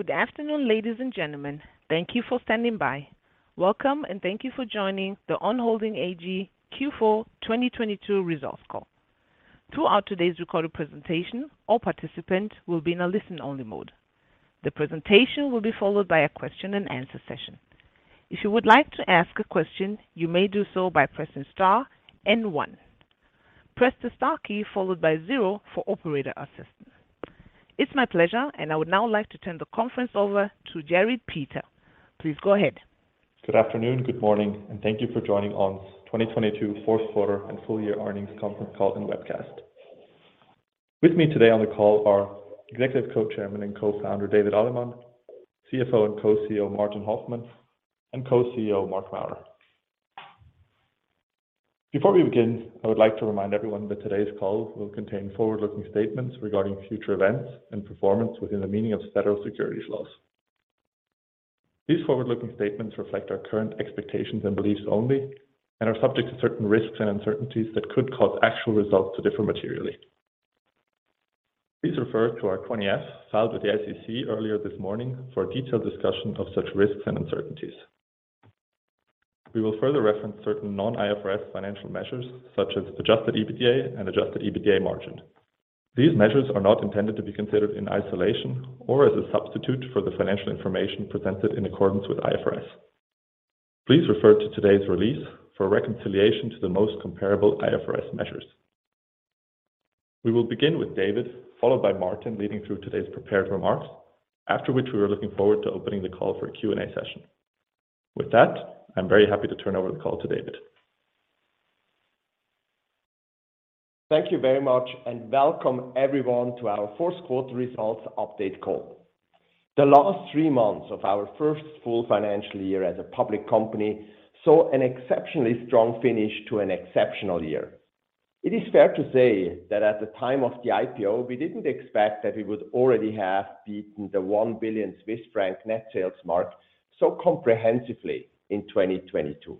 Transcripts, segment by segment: Good afternoon, ladies and gentlemen. Thank you for standing by. Welcome and thank you for joining the On Holding AG Q4 2022 results call. Throughout today's recorded presentation, all participants will be in a listen-only mode. The presentation will be followed by a question-and-answer session. If you would like to ask a question, you may do so by pressing star and one. Press the star key followed by zero for operator assistance. It's my pleasure, and I would now like to turn the conference over to Jerrit Peter. Please go ahead. Good afternoon, good morning, and thank you for joining On's 2022 fourth quarter and full year earnings conference call and webcast. With me today on the call are Executive Co-Chairman and Co-Founder, David Allemann, CFO and Co-CEO, Martin Hoffmann, and Co-CEO, Marc Maurer. Before we begin, I would like to remind everyone that today's call will contain forward-looking statements regarding future events and performance within the meaning of federal securities laws. These forward-looking statements reflect our current expectations and beliefs only, and are subject to certain risks and uncertainties that could cause actual results to differ materially. Please refer to our 20-F filed with the SEC earlier this morning for a detailed discussion of such risks and uncertainties. We will further reference certain non-IFRS financial measures, such as Adjusted EBITDA and Adjusted EBITDA margin. These measures are not intended to be considered in isolation or as a substitute for the financial information presented in accordance with IFRS. Please refer to today's release for reconciliation to the most comparable IFRS measures. We will begin with David, followed by Martin leading through today's prepared remarks, after which we are looking forward to opening the call for a Q&A session. With that, I'm very happy to turn over the call to David. Thank you very much, and welcome everyone to our fourth quarter results update call. The last three months of our first full financial year as a public company saw an exceptionally strong finish to an exceptional year. It is fair to say that at the time of the IPO, we didn't expect that we would already have beaten the 1 billion Swiss franc net sales mark so comprehensively in 2022.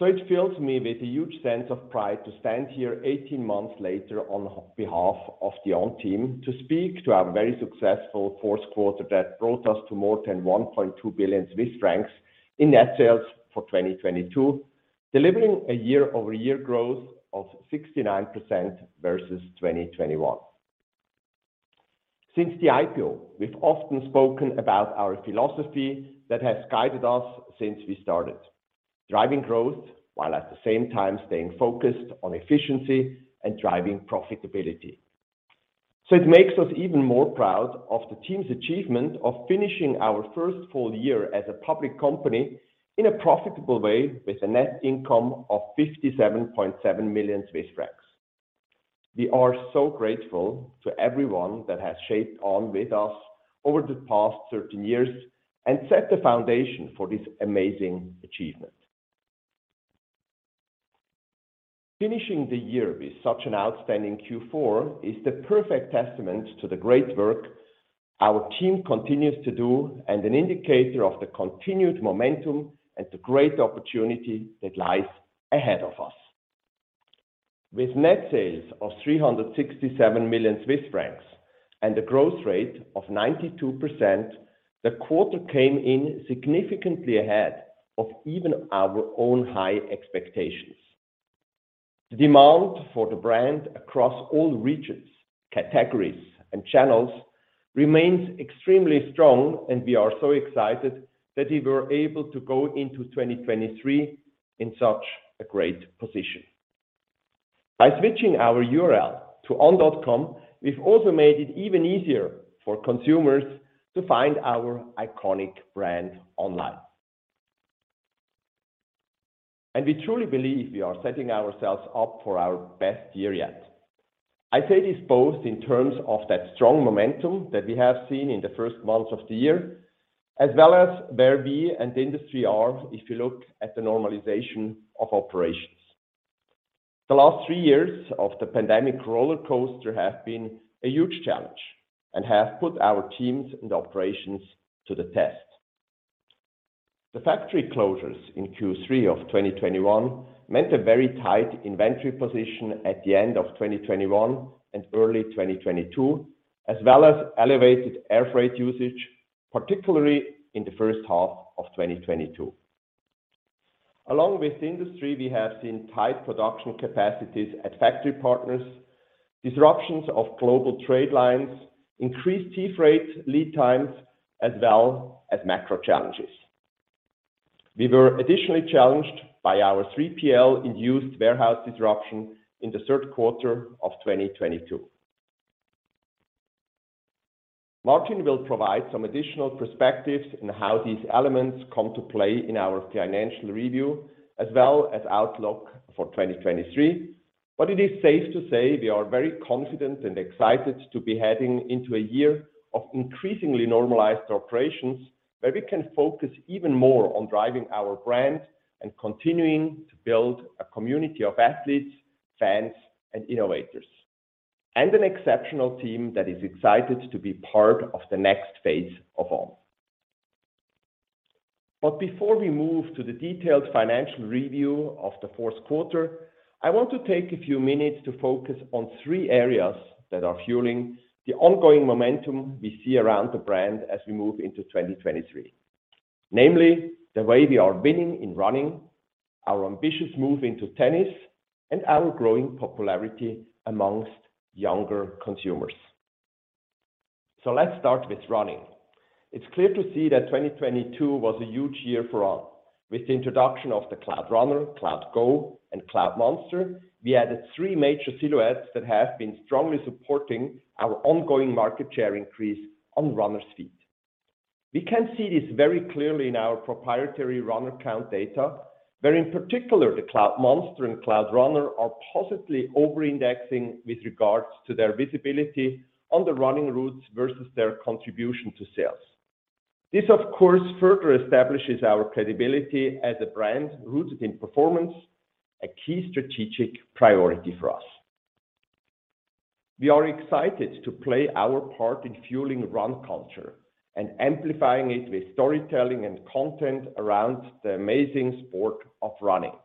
It fills me with a huge sense of pride to stand here 18 months later on behalf of the On team to speak to our very successful fourth quarter that brought us to more than 1.2 billion Swiss francs in net sales for 2022, delivering a year-over-year growth of 69% versus 2021. Since the IPO, we've often spoken about our philosophy that has guided us since we started, driving growth while at the same time staying focused on efficiency and driving profitability. It makes us even more proud of the team's achievement of finishing our first full year as a public company in a profitable way with a net income of 57.7 million Swiss francs. We are so grateful to everyone that has shaped On with us over the past 13 years and set the foundation for this amazing achievement. Finishing the year with such an outstanding Q4 is the perfect testament to the great work our team continues to do and an indicator of the continued momentum and the great opportunity that lies ahead of us. With net sales of 367 million Swiss francs and a growth rate of 92%, the quarter came in significantly ahead of even our own high expectations. The demand for the brand across all regions, categories, and channels remains extremely strong. We are so excited that we were able to go into 2023 in such a great position. By switching our URL to on.com, we've also made it even easier for consumers to find our iconic brand online. We truly believe we are setting ourselves up for our best year yet. I say this both in terms of that strong momentum that we have seen in the first months of the year, as well as where we and the industry are if you look at the normalization of operations. The last three years of the pandemic roller coaster have been a huge challenge and have put our teams and operations to the test. The factory closures in Q3 of 2021 meant a very tight inventory position at the end of 2021 and early 2022, as well as elevated air freight usage, particularly in the first half of 2022. Along with the industry, we have seen tight production capacities at factory partners, disruptions of global trade lines, increased sea freight lead times, as well as macro challenges. We were additionally challenged by our 3PL-induced warehouse disruption in the third quarter of 2022. Martin will provide some additional perspectives on how these elements come to play in our financial review, as well as outlook for 2023. It is safe to say we are very confident and excited to be heading into a year of increasingly normalized operations, where we can focus even more on driving our brand and continuing to build a community of athletes, fans, and innovators, and an exceptional team that is excited to be part of the next phase of On. Before we move to the detailed financial review of the fourth quarter, I want to take a few minutes to focus on three areas that are fueling the ongoing momentum we see around the brand as we move into 2023. Namely, the way we are winning in running, our ambitious move into tennis, and our growing popularity amongst younger consumers. Let's start with running. It's clear to see that 2022 was a huge year for On. With the introduction of the Cloudrunner, Cloudgo, and Cloudmonster, we added three major silhouettes that have been strongly supporting our ongoing market share increase on runners feet. We can see this very clearly in our proprietary runner count data, where in particular the Cloudmonster and Cloudrunner are positively over-indexing with regards to their visibility on the running routes versus their contribution to sales. This, of course, further establishes our credibility as a brand rooted in performance, a key strategic priority for us. We are excited to play our part in fueling run culture and amplifying it with storytelling and content around the amazing sport of running.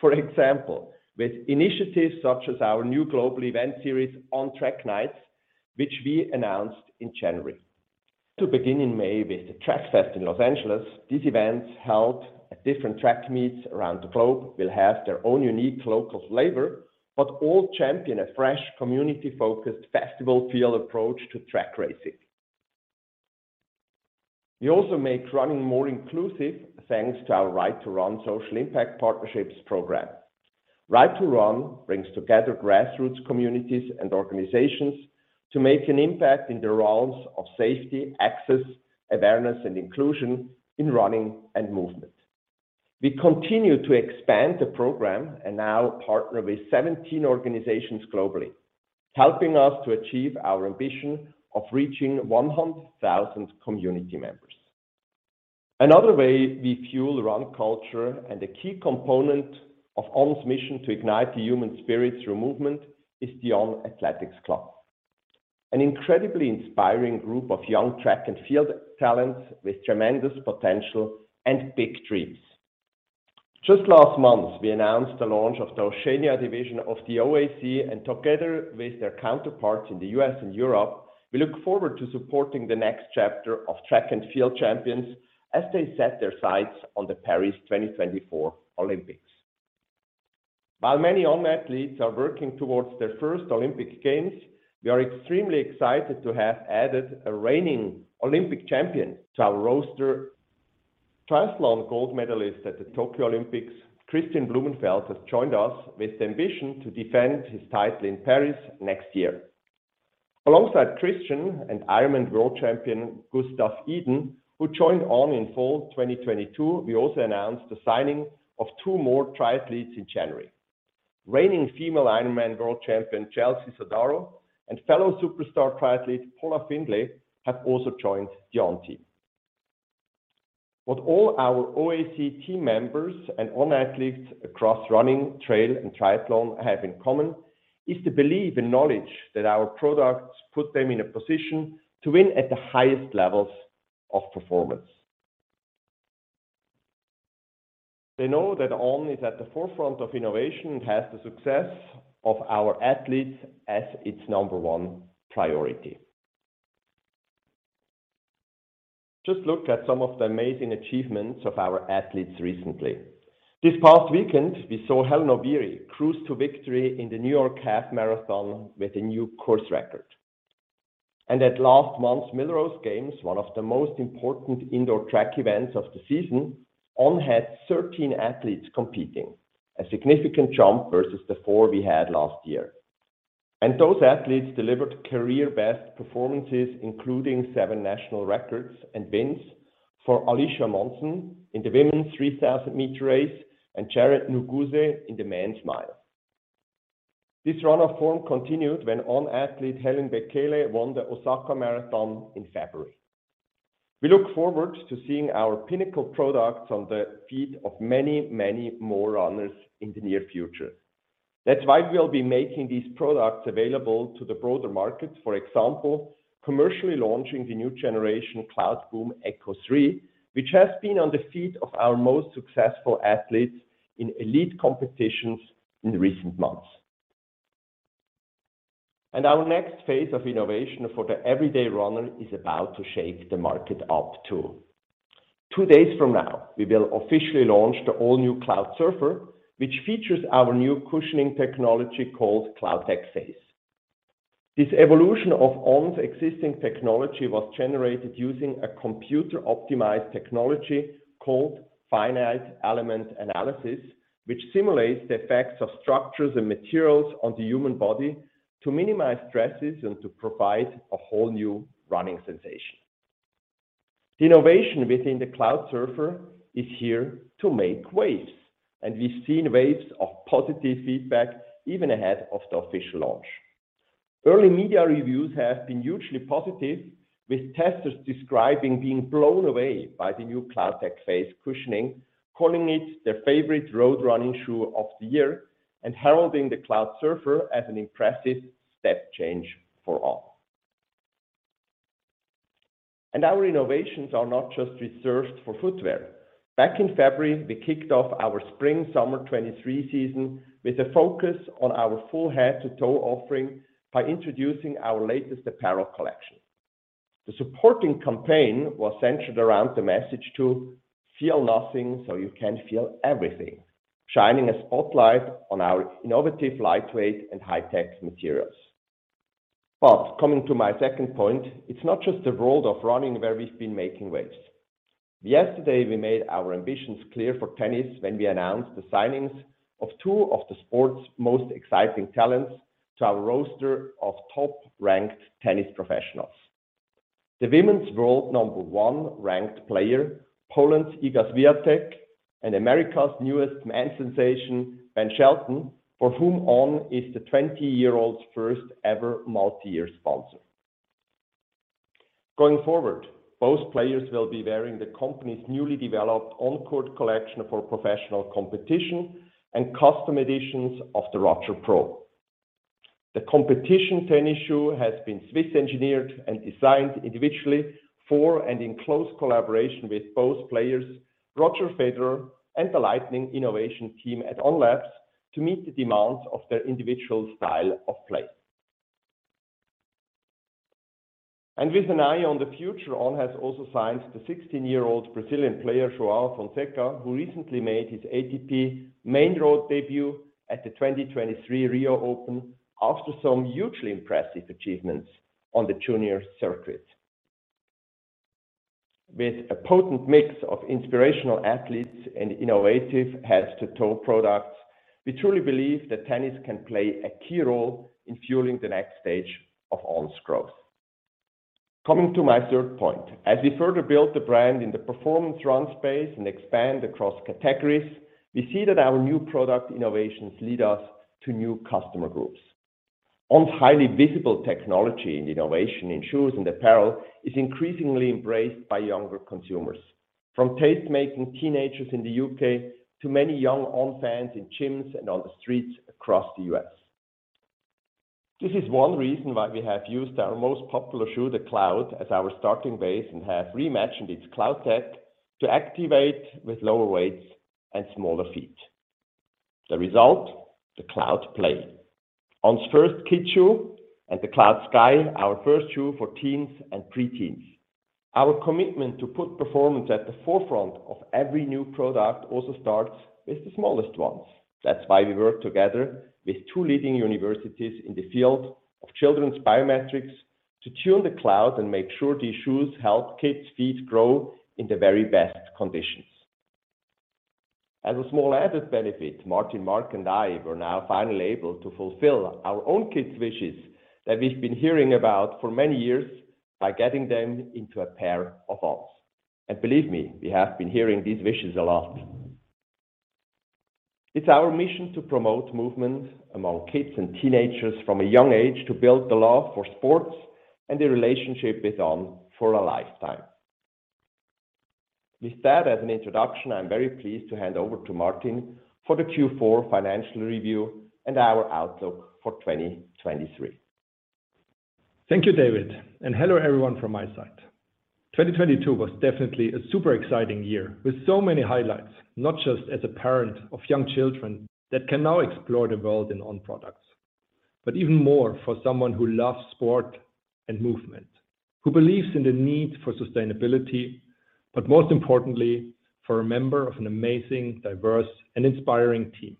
For example, with initiatives such as our new global event series, On Track Nights, which we announced in January. To begin in May with the Track Fest in Los Angeles, these events held at different track meets around the globe will have their own unique local flavor, all champion a fresh, community-focused, festival-feel approach to track racing. We also make running more inclusive, thanks to our Right To Run social impact partnerships program. Right To Run brings together grassroots communities and organizations to make an impact in the realms of safety, access, awareness, and inclusion in running and movement. We continue to expand the program now partner with 17 organizations globally, helping us to achieve our ambition of reaching 100,000 community members. Another way we fuel run culture and a key component of On's mission to ignite the human spirit through movement is the On Athletics Club. An incredibly inspiring group of young track and field talents with tremendous potential and big dreams. Just last month, we announced the launch of the Oceania division of the OAC, and together with their counterparts in the U.S. and Europe, we look forward to supporting the next chapter of track and field champions as they set their sights on the Paris 2024 Olympics. While many On athletes are working towards their first Olympic Games, we are extremely excited to have added a reigning Olympic champion to our roster. Triathlon gold medalist at the Tokyo Olympics, Kristian Blummenfelt, has joined us with the ambition to defend his title in Paris next year. Alongside Kristian and IRONMAN World Champion, Gustav Iden, who joined On in fall 2022, we also announced the signing of two more triathletes in January. Reigning female IRONMAN world champion, Chelsea Sodaro, and fellow superstar triathlete, Paula Findlay, have also joined the On team. What all our OAC team members and On athletes across running, trail, and triathlon have in common is the belief and knowledge that our products put them in a position to win at the highest levels of performance. They know that On is at the forefront of innovation and has the success of our athletes as its number one priority. Just look at some of the amazing achievements of our athletes recently. This past weekend, we saw Hellen Obiri cruise to victory in the New York Half Marathon with a new course record. At last month's Millrose Games, one of the most important indoor track events of the season, On had 13 athletes competing, a significant jump versus the four we had last year. Those athletes delivered career-best performances, including seven national records and wins for Alicia Monson in the women's 3,000 m race and Yared Nuguse in the men's mile. This run of form continued when On athlete Helen Bekele won the Osaka Marathon in February. We look forward to seeing our pinnacle products on the feet of many, many more runners in the near future. That's why we'll be making these products available to the broader market, for example, commercially launching the new generation Cloudboom Echo 3, which has been on the feet of our most successful athletes in elite competitions in recent months. Our next phase of innovation for the everyday runner is about to shake the market up, too. Two days from now, we will officially launch the all new Cloudsurfer, which features our new cushioning technology called CloudTec Phase. This evolution of On's existing technology was generated using a computer-optimized technology called finite element analysis, which simulates the effects of structures and materials on the human body to minimize stresses and to provide a whole new running sensation. The innovation within the Cloudsurfer is here to make waves, and we've seen waves of positive feedback even ahead of the official launch. Early media reviews have been hugely positive, with testers describing being blown away by the new CloudTec Phase cushioning, calling it their favorite road running shoe of the year, and heralding the Cloudsurfer as an impressive step change for On. Our innovations are not just reserved for footwear. Back in February, we kicked off our spring/summer 2023 season with a focus on our full head-to-toe offering by introducing our latest apparel collection. The supporting campaign was centered around the message to feel nothing, so you can feel everything. Shining a spotlight on our innovative, lightweight, and high-tech materials. Coming to my second point, it's not just the world of running where we've been making waves. Yesterday, we made our ambitions clear for tennis when we announced the signings of two of the sport's most exciting talents to our roster of top ranked tennis professionals. The women's world number one-ranked player, Poland's Iga Świątek, and America's newest men's sensation, Ben Shelton, for whom On is the 20-year-old's first ever multi-year sponsor. Going forward, both players will be wearing the company's newly developed On court collection for professional competition and custom editions of THE ROGER Pro. The competition tennis shoe has been Swiss engineered and designed individually for and in close collaboration with both players, Roger Federer and the lightning innovation team at On Labs, to meet the demands of their individual style of play. With an eye on the future, On has also signed the 16-year-old Brazilian player, João Fonseca, who recently made his ATP main-draw debut at the 2023 Rio Open after some hugely impressive achievements on the junior circuit. With a potent mix of inspirational athletes and innovative head-to-toe products, we truly believe that tennis can play a key role in fueling the next stage of On's growth. Coming to my third point, as we further build the brand in the performance run space and expand across categories, we see that our new product innovations lead us to new customer groups. On's highly visible technology and innovation in shoes and apparel is increasingly embraced by younger consumers. From taste-making teenagers in the U.K. to many young On fans in gyms and on the streets across the U.S. This is one reason why we have used our most popular shoe, the Cloud, as our starting base and have reimagined its CloudTec to activate with lower weights and smaller feet. The result, the Cloud Play. On's first kid shoe and the Cloud Sky, our first shoe for teens and preteens. Our commitment to put performance at the forefront of every new product also starts with the smallest ones. That's why we work together with two leading universities in the field of children's biometrics to tune the Cloud and make sure these shoes help kids' feet grow in the very best conditions. As a small added benefit, Martin, Marc and I were now finally able to fulfill our own kids' wishes that we've been hearing about for many years by getting them into a pair of On. Believe me, we have been hearing these wishes a lot. It's our mission to promote movement among kids and teenagers from a young age to build the love for sports and the relationship with On for a lifetime. With that as an introduction, I'm very pleased to hand over to Martin for the Q4 financial review and our outlook for 2023. Thank you, David. Hello, everyone from my side. 2022 was definitely a super exciting year with so many highlights, not just as a parent of young children that can now explore the world in On products. Even more for someone who loves sport and movement, who believes in the need for sustainability, but most importantly, for a member of an amazing, diverse, and inspiring team.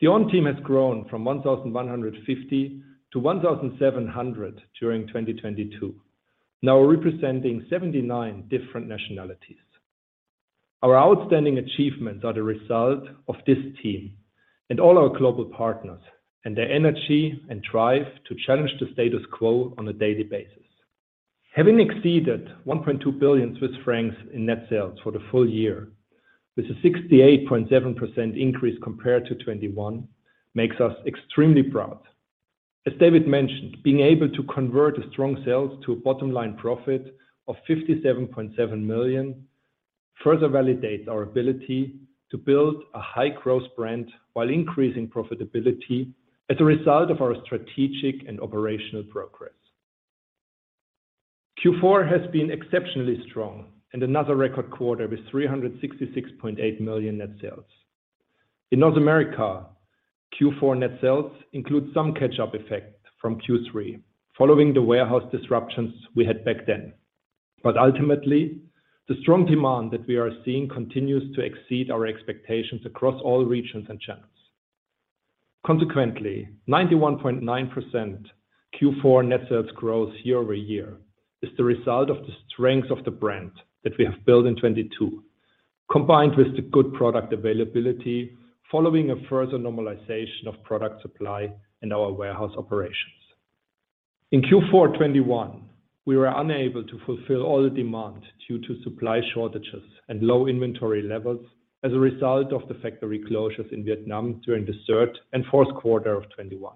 The On team has grown from 1,150 to 1,700 during 2022. Now representing 79 different nationalities. Our outstanding achievements are the result of this team and all our global partners, and their energy and drive to challenge the status quo on a daily basis. Having exceeded 1.2 billion Swiss francs in net sales for the full year, with a 68.7% increase compared to 2021, makes us extremely proud. As David mentioned, being able to convert a strong sales to a bottom-line profit of 57.7 million further validates our ability to build a high-growth brand while increasing profitability as a result of our strategic and operational progress. Q4 has been exceptionally strong and another record quarter with 366.8 million net sales. In North America, Q4 net sales include some catch-up effect from Q3, following the warehouse disruptions we had back then. Ultimately, the strong demand that we are seeing continues to exceed our expectations across all regions and channels. Consequently, 91.9% Q4 net sales growth year-over-year is the result of the strength of the brand that we have built in 2022, combined with the good product availability following a further normalization of product supply in our warehouse operations. In Q4 2021, we were unable to fulfill all the demand due to supply shortages and low inventory levels as a result of the factory closures in Vietnam during the third and fourth quarter of 2021.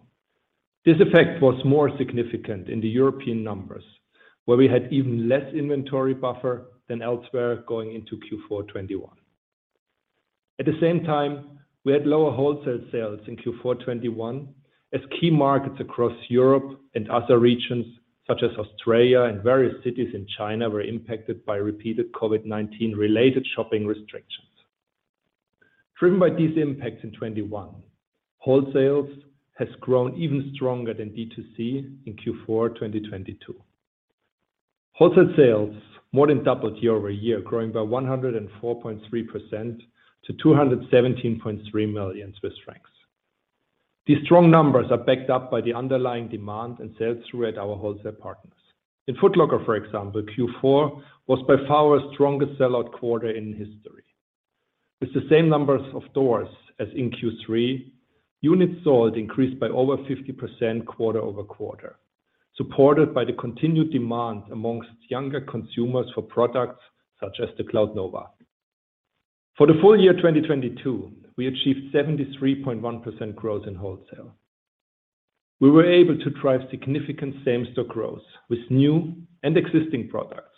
This effect was more significant in the European numbers, where we had even less inventory buffer than elsewhere going into Q4 2021. At the same time, we had lower wholesale sales in Q4 2021 as key markets across Europe and other regions such as Australia and various cities in China were impacted by repeated COVID-19 related shopping restrictions. Driven by these impacts in 2021, wholesales has grown even stronger than D2C in Q4 2022. Wholesale sales more than doubled year-over-year, growing by 104.3% to 217.3 million Swiss francs. These strong numbers are backed up by the underlying demand and sales through at our wholesale partners. In Foot Locker, for example, Q4 was by far our strongest sellout quarter in history. With the same numbers of doors as in Q3, units sold increased by over 50% quarter-over-quarter, supported by the continued demand amongst younger consumers for products such as the Cloudnova. For the full year 2022, we achieved 73.1% growth in wholesale. We were able to drive significant same-store growth with new and existing products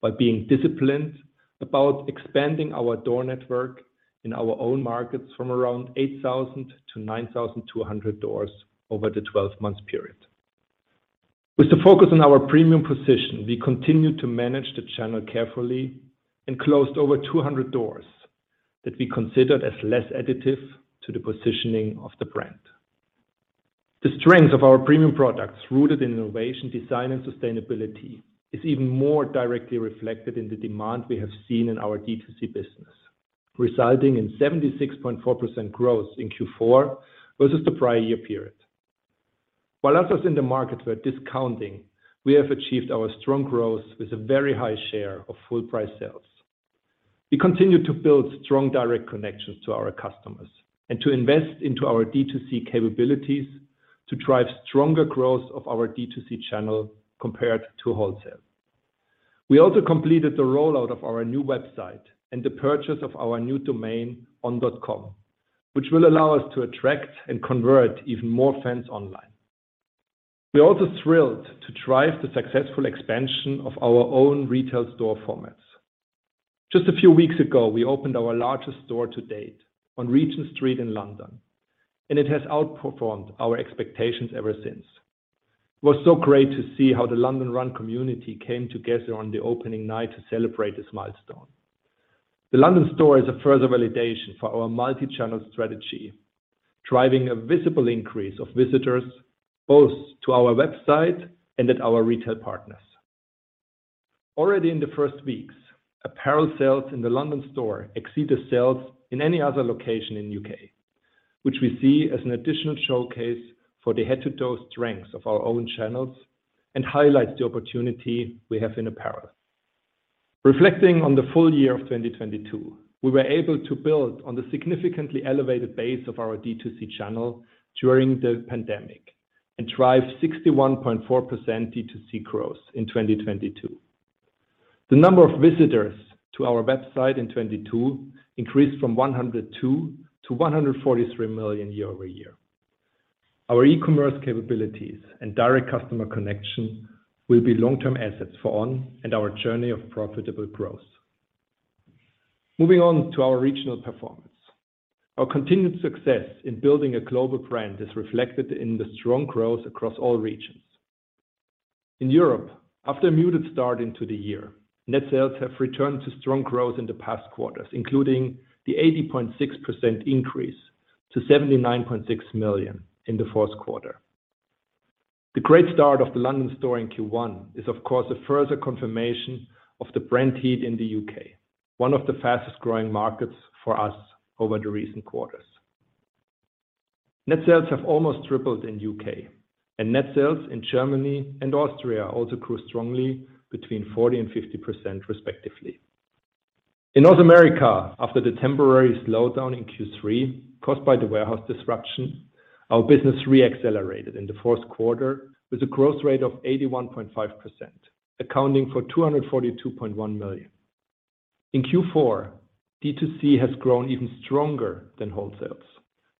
by being disciplined about expanding our door network in our own markets from around 8,000-9,200 doors over the 12-month period. With the focus on our premium position, we continued to manage the channel carefully and closed over 200 doors that we considered as less additive to the positioning of the brand. The strength of our premium products rooted in innovation, design, and sustainability is even more directly reflected in the demand we have seen in our D2C business, resulting in 76.4% growth in Q4 versus the prior year period. While others in the market were discounting, we have achieved our strong growth with a very high share of full price sales. We continued to build strong direct connections to our customers and to invest into our D2C capabilities to drive stronger growth of our D2C channel compared to wholesale. We also completed the rollout of our new website and the purchase of our new domain on.com, which will allow us to attract and convert even more fans online. We are also thrilled to drive the successful expansion of our own retail store formats. Just a few weeks ago, we opened our largest store to date on Regent Street in London. It has outperformed our expectations ever since. It was so great to see how the London Run community came together on the opening night to celebrate this milestone. The London store is a further validation for our multi-channel strategy, driving a visible increase of visitors both to our website and at our retail partners. Already in the first weeks, apparel sales in the London store exceed the sales in any other location in U.K., which we see as an additional showcase for the head-to-toe strengths of our own channels and highlights the opportunity we have in apparel. Reflecting on the full year of 2022, we were able to build on the significantly elevated base of our D2C channel during the pandemic and drive 61.4% D2C growth in 2022. The number of visitors to our website in 2022 increased from 102 million to 143 million year-over-year. Our e-commerce capabilities and direct customer connection will be long-term assets for On and our journey of profitable growth. Moving on to our regional performance. Our continued success in building a global brand is reflected in the strong growth across all regions. In Europe, after a muted start into the year, net sales have returned to strong growth in the past quarters, including the 80.6% increase to 79.6 million in the fourth quarter. The great start of the London store in Q1 is of course, a further confirmation of the brand heat in the U.K., one of the fastest-growing markets for us over the recent quarters. Net sales have almost tripled in the U.K., net sales in Germany and Austria also grew strongly between 40% and 50% respectively. In North America, after the temporary slowdown in Q3 caused by the warehouse disruption, our business re-accelerated in the fourth quarter with a growth rate of 81.5%, accounting for 242.1 million. In Q4, D2C has grown even stronger than wholesales.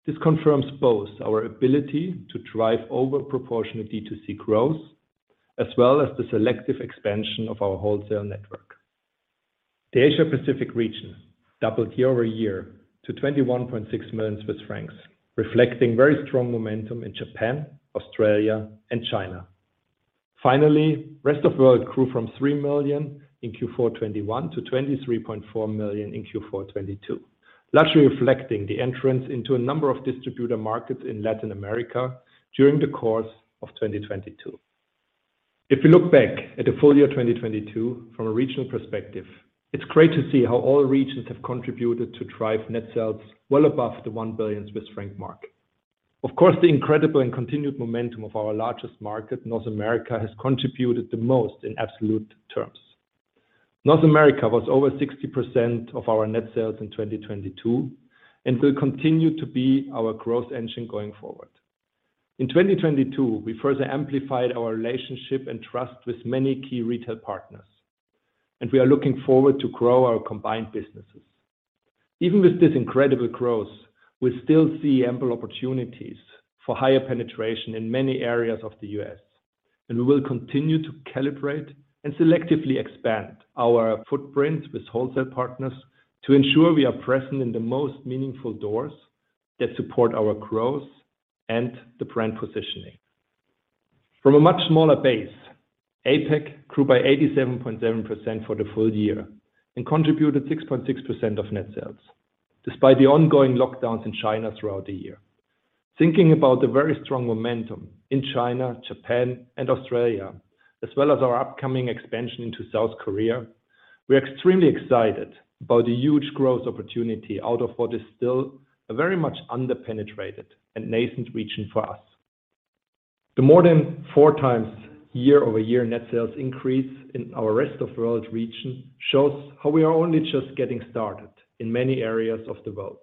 This confirms both our ability to drive overproportionate D2C growth, as well as the selective expansion of our wholesale network. The Asia Pacific region doubled year-over-year to 21.6 million Swiss francs, reflecting very strong momentum in Japan, Australia, and China. Finally, Rest of World grew from 3 million in Q4 2021 to 23.4 million in Q4 2022, largely reflecting the entrance into a number of distributor markets in Latin America during the course of 2022. If you look back at the full year 2022 from a regional perspective, it's great to see how all regions have contributed to drive net sales well above the 1 billion Swiss franc mark. Of course, the incredible and continued momentum of our largest market, North America, has contributed the most in absolute terms. North America was over 60% of our net sales in 2022 and will continue to be our growth engine going forward. In 2022, we further amplified our relationship and trust with many key retail partners. We are looking forward to grow our combined businesses. Even with this incredible growth, we still see ample opportunities for higher penetration in many areas of the U.S. We will continue to calibrate and selectively expand our footprint with wholesale partners to ensure we are present in the most meaningful doors that support our growth and the brand positioning. From a much smaller base, APAC grew by 87.7% for the full year and contributed 6.6% of net sales, despite the ongoing lockdowns in China throughout the year. Thinking about the very strong momentum in China, Japan, and Australia, as well as our upcoming expansion into South Korea, we are extremely excited about the huge growth opportunity out of what is still a very much under-penetrated and nascent region for us. The more than four times year-over-year net sales increase in our rest of world region shows how we are only just getting started in many areas of the world.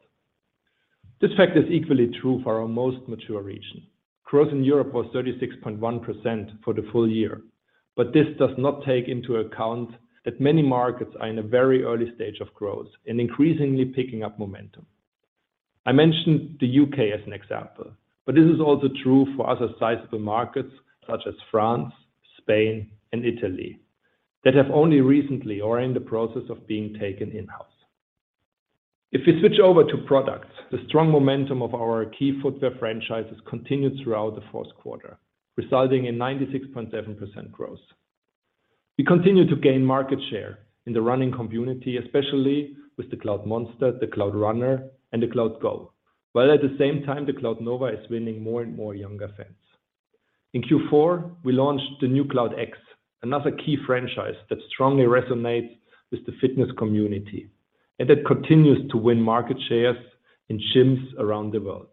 This fact is equally true for our most mature region. Growth in Europe was 36.1% for the full year, this does not take into account that many markets are in a very early stage of growth and increasingly picking up momentum. I mentioned the U.K. as an example, but this is also true for other sizable markets such as France, Spain, and Italy, that have only recently or are in the process of being taken in-house. If we switch over to products, the strong momentum of our key footwear franchises continued throughout the fourth quarter, resulting in 96.7% growth. We continue to gain market share in the running community, especially with the Cloudmonster, the Cloudrunner, and the Cloudgo. While at the same time, the Cloudnova is winning more and more younger fans. In Q4, we launched the new Cloud X, another key franchise that strongly resonates with the fitness community, and that continues to win market shares in gyms around the world.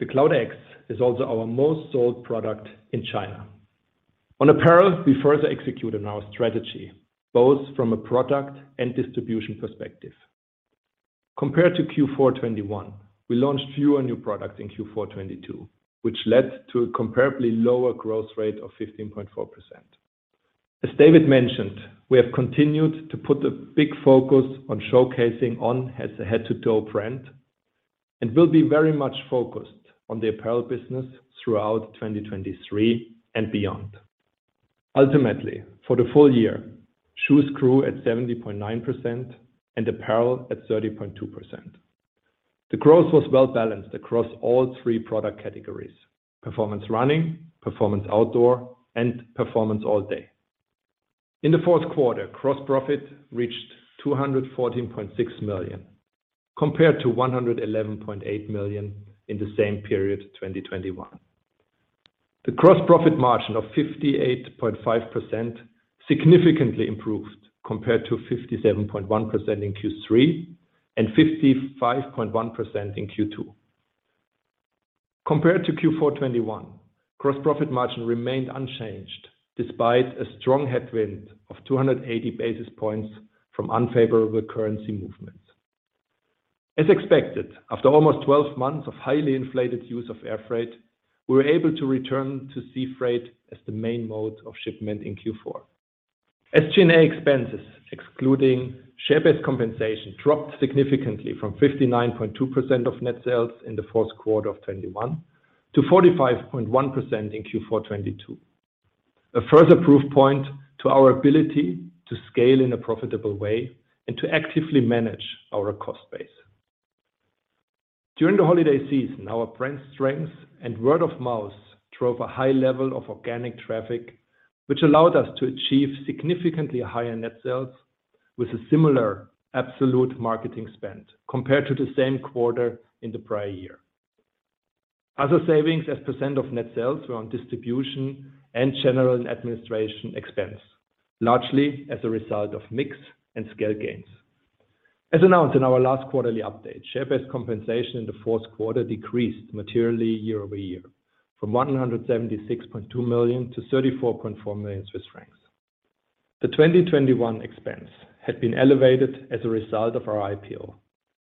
The Cloud X is also our most sold product in China. On apparel, we further executed our strategy, both from a product and distribution perspective. Compared to Q4 2021, we launched fewer new products in Q4 2022, which led to a comparably lower growth rate of 15.4%. As David mentioned, we have continued to put a big focus on showcasing On as a head-to-toe brand and will be very much focused on the apparel business throughout 2023 and beyond. Ultimately, for the full year, shoes grew at 70.9% and apparel at 30.2%. The growth was well-balanced across all three product categories: performance running, performance outdoor, and performance all day. In the fourth quarter, gross profit reached 214.6 million, compared to 111.8 million in the same period, 2021. The gross profit margin of 58.5% significantly improved compared to 57.1% in Q3 and 55.1% in Q2. Compared to Q4 2021, gross profit margin remained unchanged despite a strong headwind of 280 basis points from unfavorable currency movements. As expected, after almost 12 months of highly inflated use of air freight, we were able to return to sea freight as the main mode of shipment in Q4. SG&A expenses, excluding share-based compensation, dropped significantly from 59.2% of net sales in the fourth quarter of 2021 to 45.1% in Q4 2022. A further proof point to our ability to scale in a profitable way and to actively manage our cost base. During the holiday season, our brand strength and word of mouth drove a high level of organic traffic, which allowed us to achieve significantly higher net sales with a similar absolute marketing spend compared to the same quarter in the prior year. Other savings as percent of net sales were on distribution and general administration expense, largely as a result of mix and scale gains. As announced in our last quarterly update, share-based compensation in the fourth quarter decreased materially year-over-year from 176.2 million to 34.4 million Swiss francs. The 2021 expense had been elevated as a result of our IPO,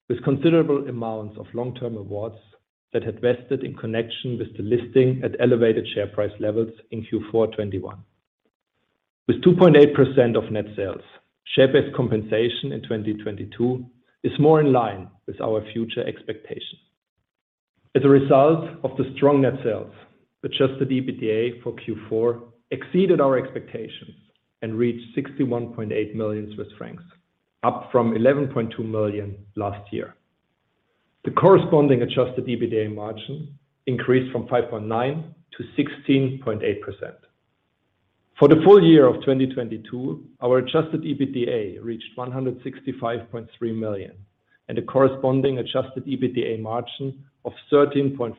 with considerable amounts of long-term awards that had vested in connection with the listing at elevated share price levels in Q4 2021. With 2.8% of net sales, share-based compensation in 2022 is more in line with our future expectations. As a result of the strong net sales, Adjusted EBITDA for Q4 exceeded our expectations and reached 61.8 million Swiss francs, up from 11.2 million last year. The corresponding Adjusted EBITDA margin increased from 5.9% to 16.8%. For the full year of 2022, our Adjusted EBITDA reached 165.3 million, and a corresponding Adjusted EBITDA margin of 13.5%,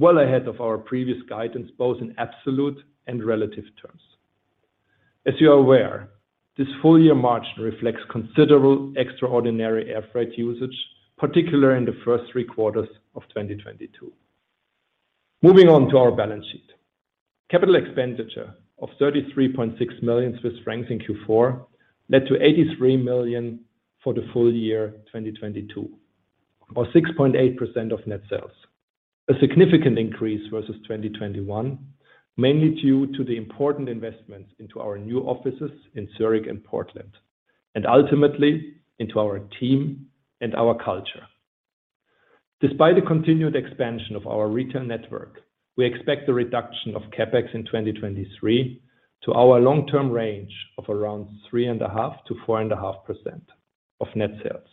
well ahead of our previous guidance, both in absolute and relative terms. As you are aware, this full-year margin reflects considerable extraordinary air freight usage, particularly in the first three quarters of 2022. Moving on to our balance sheet. Capital expenditure of 33.6 million Swiss francs in Q4 led to 83 million for the full year 2022, or 6.8% of net sales. A significant increase versus 2021, mainly due to the important investments into our new offices in Zurich and Portland, and ultimately into our team and our culture. Despite the continued expansion of our retail network, we expect the reduction of CapEx in 2023 to our long-term range of around 3.5%-4.5% of net sales.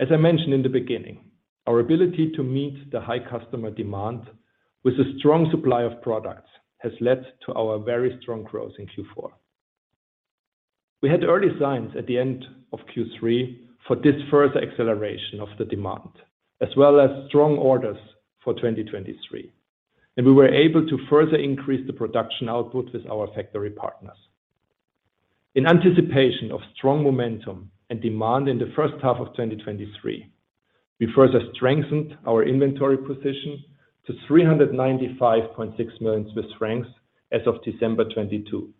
As I mentioned in the beginning, our ability to meet the high customer demand with a strong supply of products has led to our very strong growth in Q4. We had early signs at the end of Q3 for this further acceleration of the demand, as well as strong orders for 2023, and we were able to further increase the production output with our factory partners. In anticipation of strong momentum and demand in the first half of 2023, we further strengthened our inventory position to 395.6 million Swiss francs as of December 2022.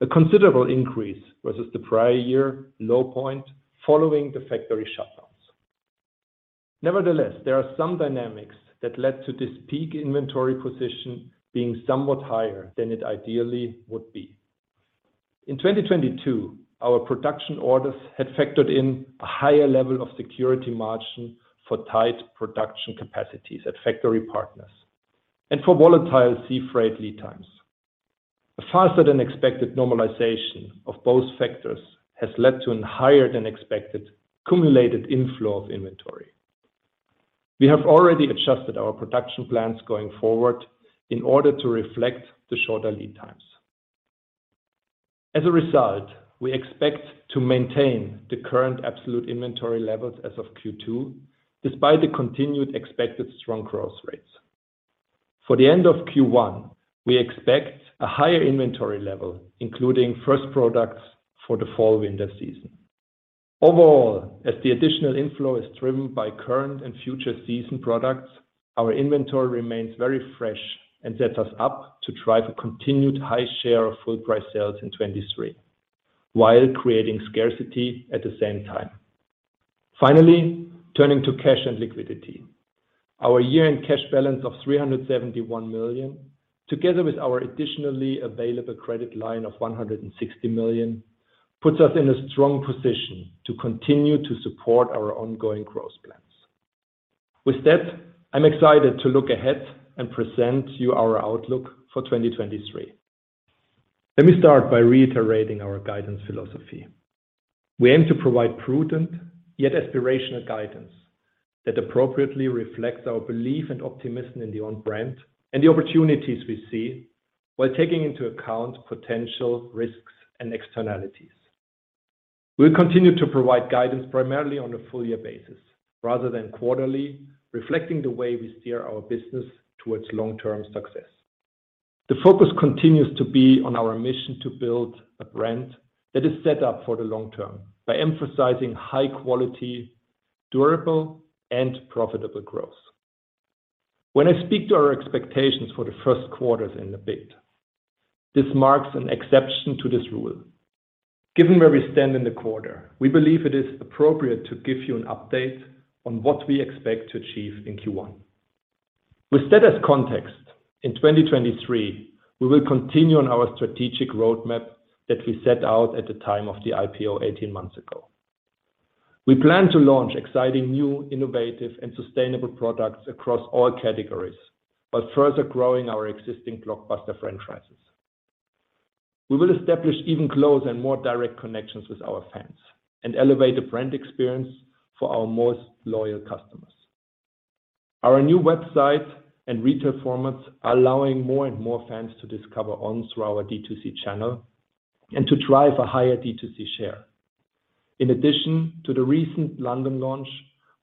A considerable increase versus the prior year low point following the factory shutdowns. There are some dynamics that led to this peak inventory position being somewhat higher than it ideally would be. In 2022, our production orders had factored in a higher level of security margin for tight production capacities at factory partners and for volatile sea freight lead times. A faster than expected normalization of both factors has led to an higher than expected cumulated inflow of inventory. We have already adjusted our production plans going forward in order to reflect the shorter lead times. As a result, we expect to maintain the current absolute inventory levels as of Q2, despite the continued expected strong growth rates. For the end of Q1, we expect a higher inventory level, including first products for the fall/winter season. Overall, as the additional inflow is driven by current and future season products, our inventory remains very fresh and sets us up to drive a continued high share of full price sales in 2023, while creating scarcity at the same time. Finally, turning to cash and liquidity. Our year-end cash balance of 371 million, together with our additionally available credit line of 160 million, puts us in a strong position to continue to support our ongoing growth plans. With that, I'm excited to look ahead and present you our outlook for 2023. Let me start by reiterating our guidance philosophy. We aim to provide prudent, yet aspirational guidance that appropriately reflects our belief and optimism in the On brand and the opportunities we see while taking into account potential risks and externalities. We'll continue to provide guidance primarily on a full year basis rather than quarterly, reflecting the way we steer our business towards long-term success. The focus continues to be on our mission to build a brand that is set up for the long term by emphasizing high quality, durable, and profitable growth. When I speak to our expectations for the first quarters in a bit, this marks an exception to this rule. Given where we stand in the quarter, we believe it is appropriate to give you an update on what we expect to achieve in Q1. With that as context, in 2023, we will continue on our strategic roadmap that we set out at the time of the IPO 18 months ago. We plan to launch exciting new, innovative, and sustainable products across all categories, while further growing our existing blockbuster franchises. We will establish even closer and more direct connections with our fans and elevate the brand experience for our most loyal customers. Our new website and retail formats are allowing more and more fans to discover On through our D2C channel and to drive a higher D2C share. In addition to the recent London launch,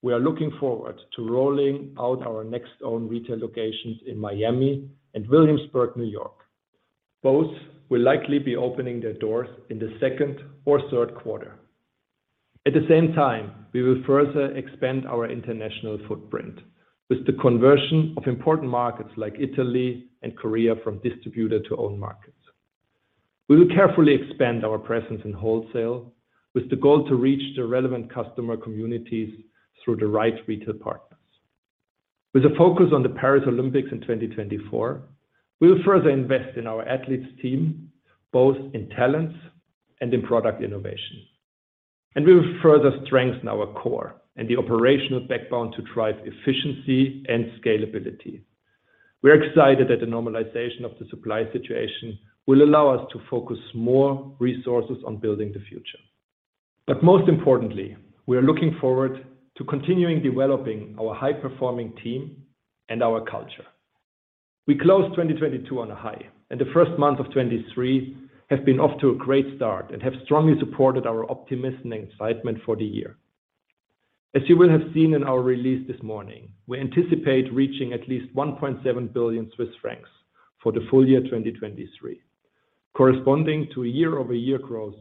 we are looking forward to rolling out our next own retail locations in Miami and Williamsburg, New York. Both will likely be opening their doors in the second or third quarter. At the same time, we will further expand our international footprint with the conversion of important markets like Italy and Korea from distributor to own markets. We will carefully expand our presence in wholesale with the goal to reach the relevant customer communities through the right retail partners. With a focus on the Paris Olympics in 2024, we will further invest in our athletes team, both in talents and in product innovation. We will further strengthen our core and the operational backbone to drive efficiency and scalability. We are excited that the normalization of the supply situation will allow us to focus more resources on building the future. Most importantly, we are looking forward to continuing developing our high-performing team and our culture. We closed 2022 on a high, and the first month of 2023 have been off to a great start and have strongly supported our optimism and excitement for the year. As you will have seen in our release this morning, we anticipate reaching at least 1.7 billion Swiss francs for the full year 2023, corresponding to a year-over-year growth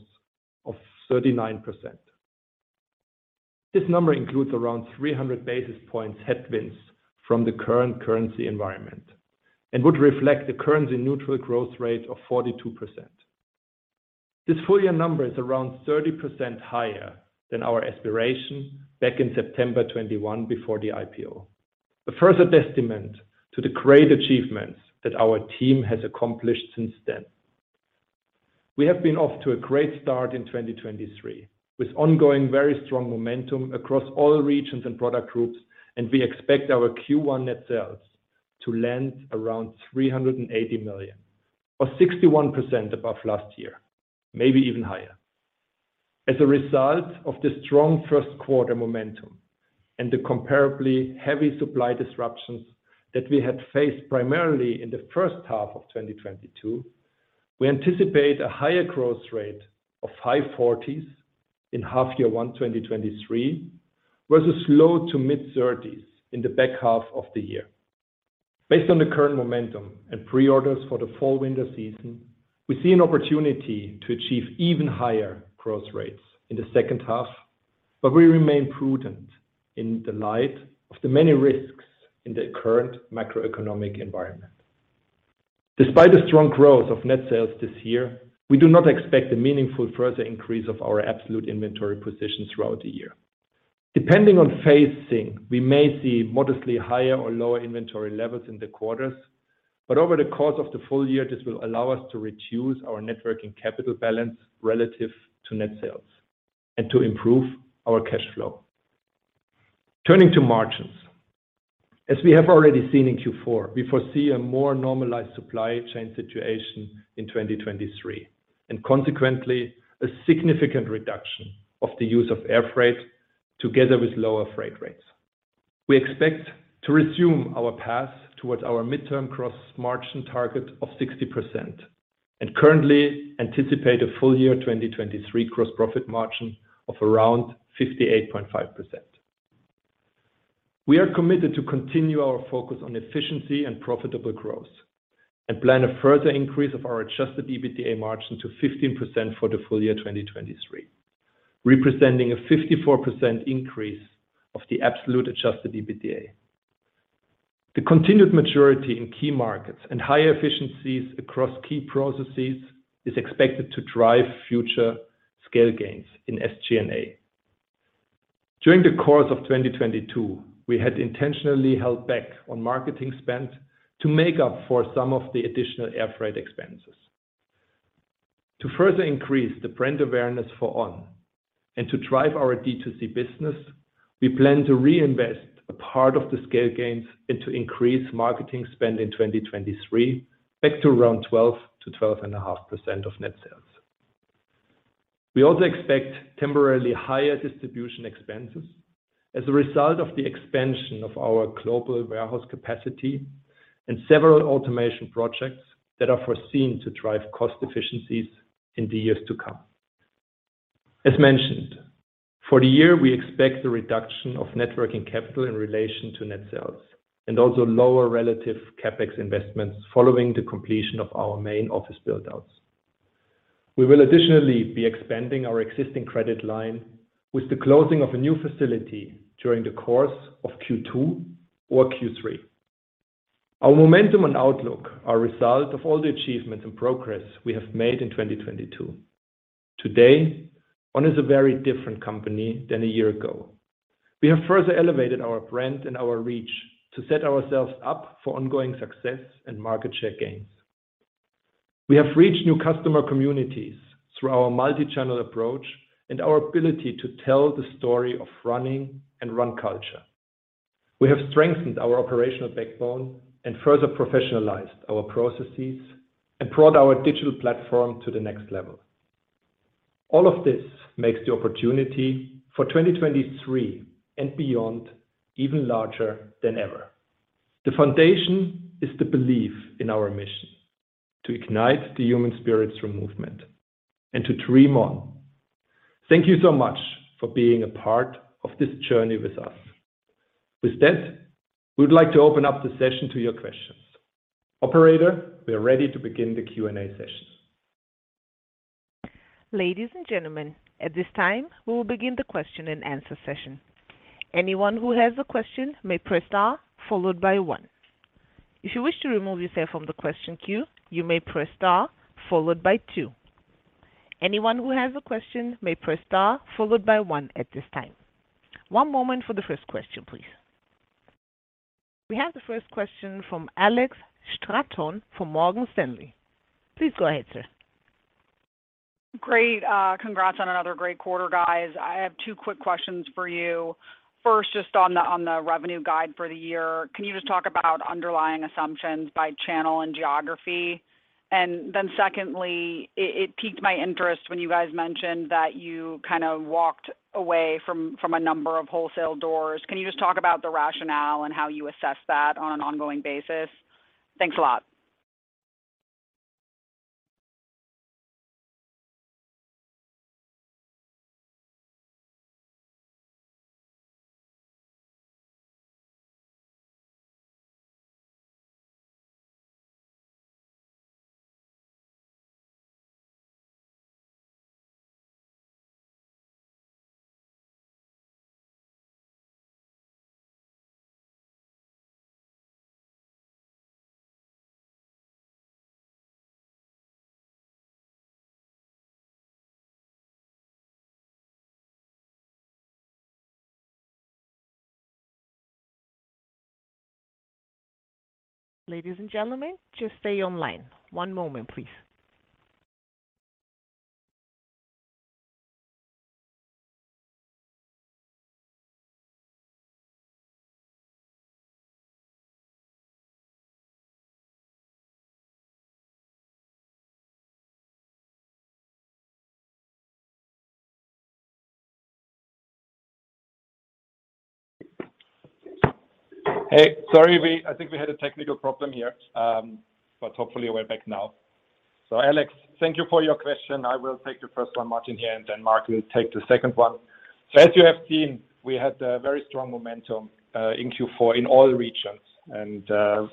of 39%. This number includes around 300 basis points headwinds from the current currency environment and would reflect the currency neutral growth rate of 42%. This full year number is around 30% higher than our aspiration back in September 2021 before the IPO. A further testament to the great achievements that our team has accomplished since then. We have been off to a great start in 2023, with ongoing very strong momentum across all regions and product groups, and we expect our Q1 net sales to land around 380 million, or 61% above last year, maybe even higher. As a result of the strong first quarter momentum and the comparably heavy supply disruptions that we had faced primarily in the first half of 2022, we anticipate a higher growth rate of high 40%s in half year one 2023 versus low to mid-30%s in the back half of the year. Based on the current momentum and pre-orders for the fall/winter season, we see an opportunity to achieve even higher growth rates in the second half, but we remain prudent in the light of the many risks in the current macroeconomic environment. Despite the strong growth of net sales this year, we do not expect a meaningful further increase of our absolute inventory position throughout the year. Depending on phasing, we may see modestly higher or lower inventory levels in the quarters. Over the course of the full year, this will allow us to reduce our net working capital balance relative to net sales and to improve our cash flow. Turning to margins. As we have already seen in Q4, we foresee a more normalized supply chain situation in 2023, and consequently, a significant reduction of the use of air freight together with lower freight rates. We expect to resume our path towards our midterm gross margin target of 60% and currently anticipate a full year 2023 gross profit margin of around 58.5%. We are committed to continue our focus on efficiency and profitable growth and plan a further increase of our Adjusted EBITDA margin to 15% for the full year 2023, representing a 54% increase of the absolute Adjusted EBITDA. The continued maturity in key markets and higher efficiencies across key processes is expected to drive future scale gains in SG&A. During the course of 2022, we had intentionally held back on marketing spend to make up for some of the additional airfreight expenses. To further increase the brand awareness for On and to drive our D2C business, we plan to reinvest a part of the scale gains and to increase marketing spend in 2023 back to around 12%-12.5% of net sales. We also expect temporarily higher distribution expenses as a result of the expansion of our global warehouse capacity and several automation projects that are foreseen to drive cost efficiencies in the years to come. As mentioned, for the year, we expect a reduction of net working capital in relation to net sales and also lower relative CapEx investments following the completion of our main office build-outs. We will additionally be expanding our existing credit line with the closing of a new facility during the course of Q2 or Q3. Our momentum and outlook are a result of all the achievements and progress we have made in 2022. Today, On is a very different company than a year ago. We have further elevated our brand and our reach to set ourselves up for ongoing success and market share gains. We have reached new customer communities through our multi-channel approach and our ability to tell the story of running and run culture. We have strengthened our operational backbone and further professionalized our processes and brought our digital platform to the next level. All of this makes the opportunity for 2023 and beyond even larger than ever. The foundation is the belief in our mission: to ignite the human spirit through movement and to dream On. Thank you so much for being a part of this journey with us. We would like to open up the session to your questions. Operator, we are ready to begin the Q&A session. Ladies and gentlemen, at this time, we will begin the question-and-answer session. Anyone who has a question may press star followed by one. If you wish to remove yourself from the question queue, you may press star followed by two. Anyone who has a question may press star followed by one at this time. One moment for the first question, please. We have the first question from Alex Straton from Morgan Stanley. Please go ahead, sir. Great. Congrats on another great quarter, guys. I have two quick questions for you. First, just on the revenue guide for the year. Can you just talk about underlying assumptions by channel and geography? Secondly, it piqued my interest when you guys mentioned that you kind of walked away from a number of wholesale doors. Can you just talk about the rationale and how you assess that on an ongoing basis? Thanks a lot. Ladies and gentlemen, just stay online. One moment please. Hey, sorry. I think we had a technical problem here, hopefully we're back now. Alex, thank you for your question. I will take the first one, Martin here. Marc will take the second one. As you have seen, we had a very strong momentum in Q4 in all regions.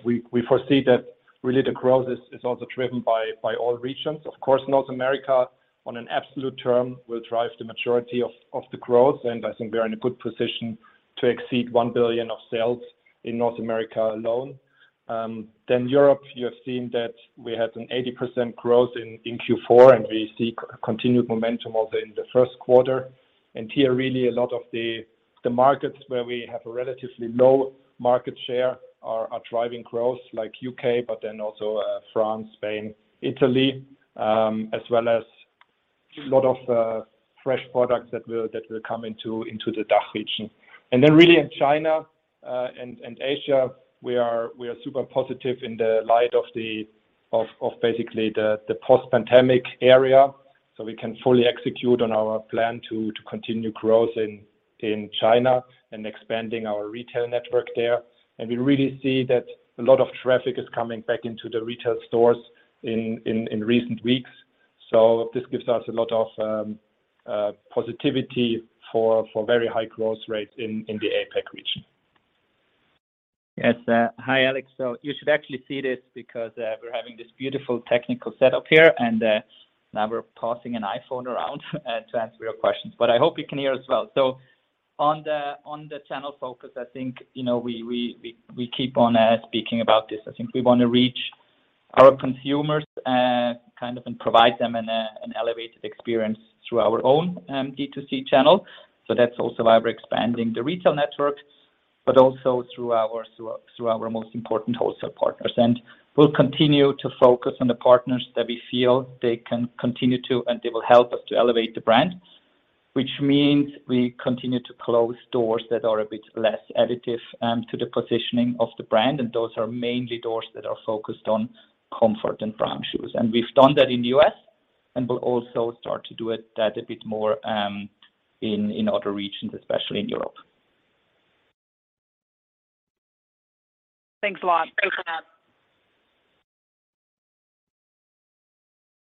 We foresee that really the growth is also driven by all regions. Of course, North America, on an absolute term, will drive the majority of the growth. I think we are in a good position to exceed 1 billion of sales in North America alone. Europe, you have seen that we had an 80% growth in Q4. We seek continued momentum also in the first quarter. Here, really a lot of the markets where we have a relatively low market share are driving growth like U.K., but then also France, Spain, Italy, as well as a lot of fresh products that will come into the DACH region. Really in China and Asia, we are super positive in the light of the post-pandemic area, so we can fully execute on our plan to continue growth in China and expanding our retail network there. We really see that a lot of traffic is coming back into the retail stores in recent weeks. This gives us a lot of positivity for very high growth rates in the APAC region. Yes. Hi, Alex. You should actually see this because we're having this beautiful technical setup here, and now we're passing an iPhone around to answer your questions. I hope you can hear us well. On the channel focus, I think, you know, we keep on speaking about this. I think we want to reach our consumers, kind of, and provide them an elevated experience through our own D2C channel. That's also why we're expanding the retail network, but also through our most important wholesale partners. We'll continue to focus on the partners that we feel they can continue to, and they will help us to elevate the brand, which means we continue to close doors that are a bit less additive to the positioning of the brand. Those are mainly doors that are focused on comfort and brown shoes. We've done that in the U.S., and we'll also start to do it that a bit more, in other regions, especially in Europe. Thanks a lot.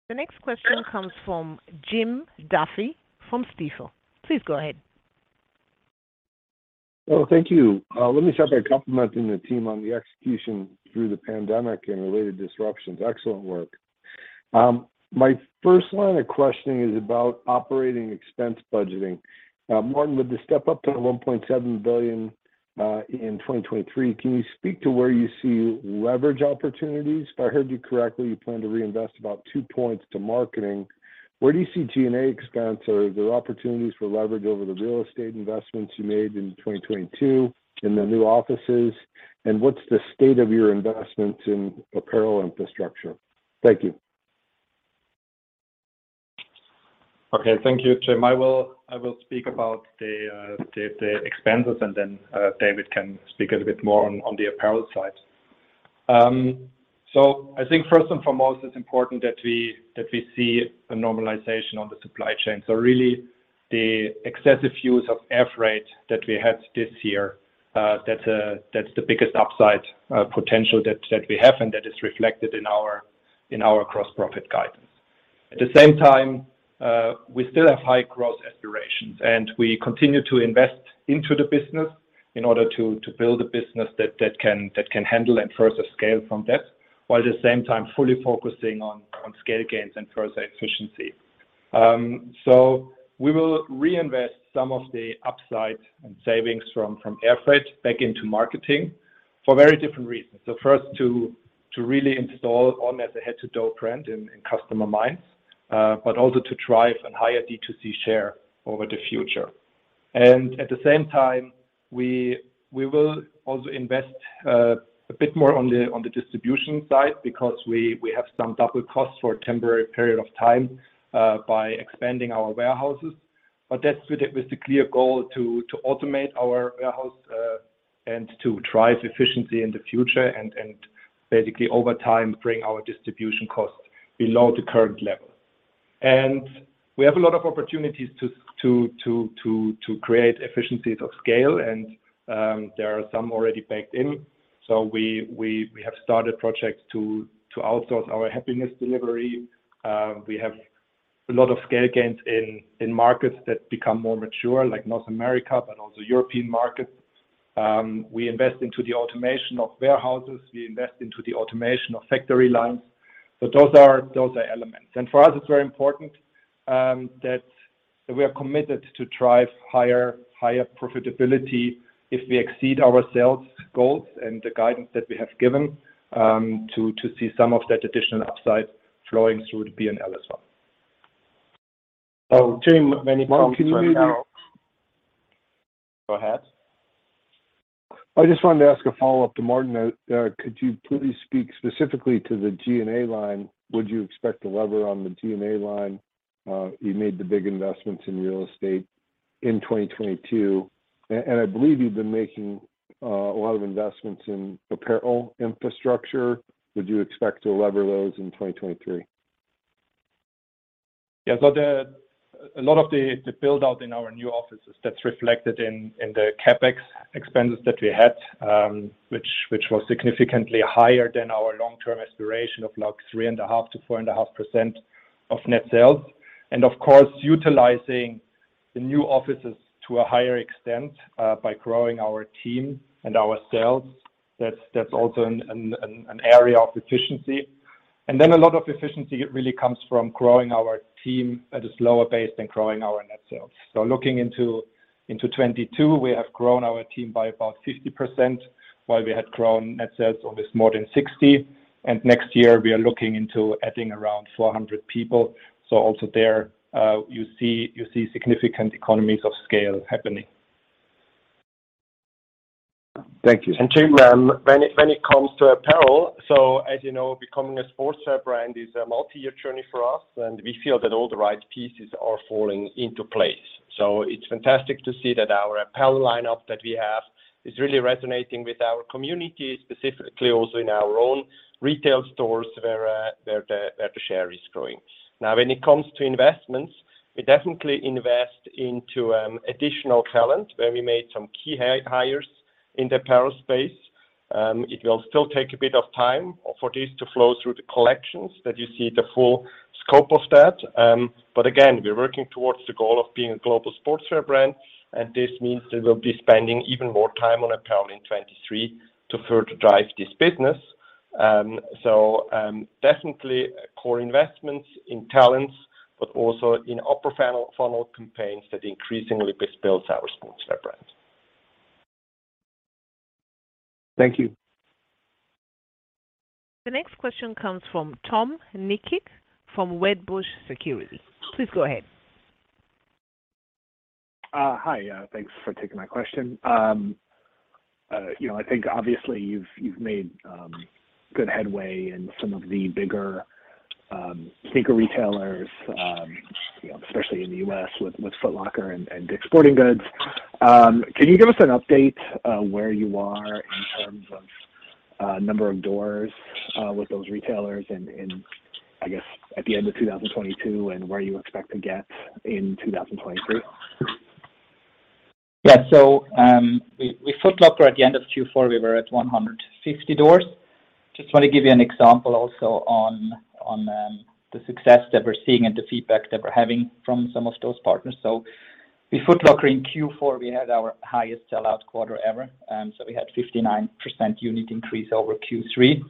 The next question comes from Jim Duffy from Stifel. Please go ahead. Thank you. Let me start by complimenting the team on the execution through the pandemic and related disruptions. Excellent work. My first line of questioning is about OpEx budgeting. Martin, with the step-up to 1.7 billion in 2023, can you speak to where you see leverage opportunities? If I heard you correctly, you plan to reinvest about 2 points to marketing. Where do you see G&A expense? Are there opportunities for leverage over the real estate investments you made in 2022 in the new offices? What's the state of your investment in apparel infrastructure? Thank you. Okay. Thank you, Jim. I will speak about the expenses, and then David can speak a bit more on the apparel side. I think first and foremost, it's important that we see a normalization on the supply chain. Really the excessive use of air freight that we had this year, that's the biggest upside potential that we have, and that is reflected in our gross profit guidance. At the same time, we still have high growth aspirations, and we continue to invest into the business in order to build a business that can handle and further scale from that, while at the same time fully focusing on scale gains and further efficiency. We will reinvest some of the upside and savings from air freight back into marketing for very different reasons. First to really install On as a head-to-toe brand in customer minds, but also to drive a higher D2C share over the future. At the same time, we will also invest a bit more on the distribution side because we have some double costs for a temporary period of time by expanding our warehouses. That's with a clear goal to automate our warehouse and to drive efficiency in the future and basically over time, bring our distribution costs below the current level. We have a lot of opportunities to create efficiencies of scale, and there are some already baked in. We have started projects to outsource our Happiness Delivery. We have a lot of scale gains in markets that become more mature like North America, but also European markets. We invest into the automation of warehouses. We invest into the automation of factory lines. Those are elements. For us, it's very important that we are committed to drive higher profitability if we exceed our sales goals and the guidance that we have given to see some of that additional upside flowing through the P&L as well. Oh, Jim. Martin, from. Go ahead. I just wanted to ask a follow-up to Martin. Could you please speak specifically to the G&A line? Would you expect to lever on the G&A line? You made the big investments in real estate in 2022. I believe you've been making a lot of investments in apparel infrastructure. Would you expect to lever those in 2023? A lot of the build-out in our new offices, that's reflected in the CapEx expenses that we had, which was significantly higher than our long-term aspiration of like 3.5%-4.5% of net sales. Of course, utilizing the new offices to a higher extent by growing our team and our sales, that's also an area of efficiency. A lot of efficiency really comes from growing our team at a slower pace than growing our net sales. Looking into 2022, we have grown our team by about 50%, while we had grown net sales of more than 60%. Next year, we are looking into adding around 400 people. Also there, you see significant economies of scale happening. Thank you. Jim, when it comes to apparel, as you know, becoming a sportswear brand is a multi-year journey for us, and we feel that all the right pieces are falling into place. It's fantastic to see that our apparel lineup that we have is really resonating with our community, specifically also in our own retail stores where the share is growing. Now, when it comes to investments, we definitely invest into additional talent, where we made some key high-hires in the apparel space. It will still take a bit of time for this to flow through the collections that you see the full scope of that. Again, we're working towards the goal of being a global sportswear brand, and this means we will be spending even more time on apparel in 2023 to further drive this business. Definitely core investments in talents, but also in upper funnel campaigns that increasingly builds our sportswear brand. Thank you. The next question comes from Tom Nikic from Wedbush Securities. Please go ahead. HiI, thanks for taking my question. I think, obviously, you've made good headway in front of bigger retailers, especially in the U.S. with Foot Locker and Dick's Sporting Goods. Are you gonna send update where you are, on the number of doors with those retailers, and I guess at the end of 2022 and why you expect again in 2023? Yeah, so we, with Foot Locker at the end of Q4, we were at 150 doors. Just want to give you an example also on the success that we're seeing and the feedback that we're having from some of those partners. With Foot Locker in Q4, we had our highest sell-out quarter ever, we had 59% unit increase over Q3,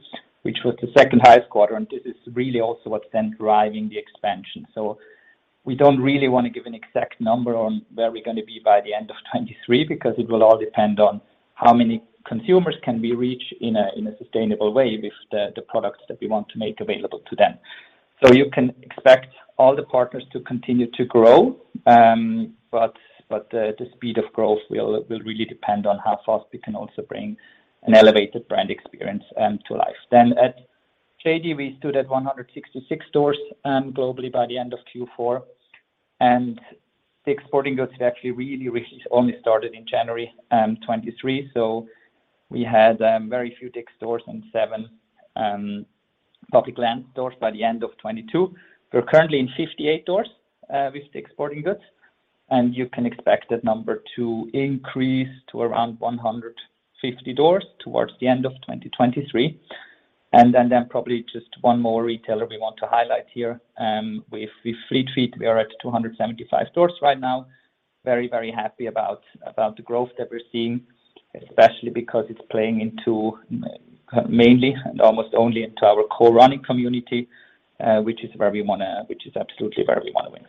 which was the second highest quarter. This is really also what's then driving the expansion. We don't really wanna give an exact number on where we're gonna be by the end of 2023 because it will all depend on how many consumers can we reach in a sustainable way with the products that we want to make available to them. You can expect all the partners to continue to grow, but the speed of growth will really depend on how fast we can also bring an elevated brand experience to life. At JD, we stood at 166 stores globally by the end of Q4. Dick's Sporting Goods had actually really only started in January 2023, so we had very few Dick's stores and seven Topgolf Lounge stores by the end of 2022. We're currently in 58 doors with Dick's Sporting Goods, and you can expect that number to increase to around 150 doors towards the end of 2023. Then probably just one more retailer we want to highlight here. With Fleet Feet, we are at 275 stores right now. Very happy about the growth that we're seeing, especially because it's playing into mainly and almost only into our core running community, which is absolutely where we wanna win.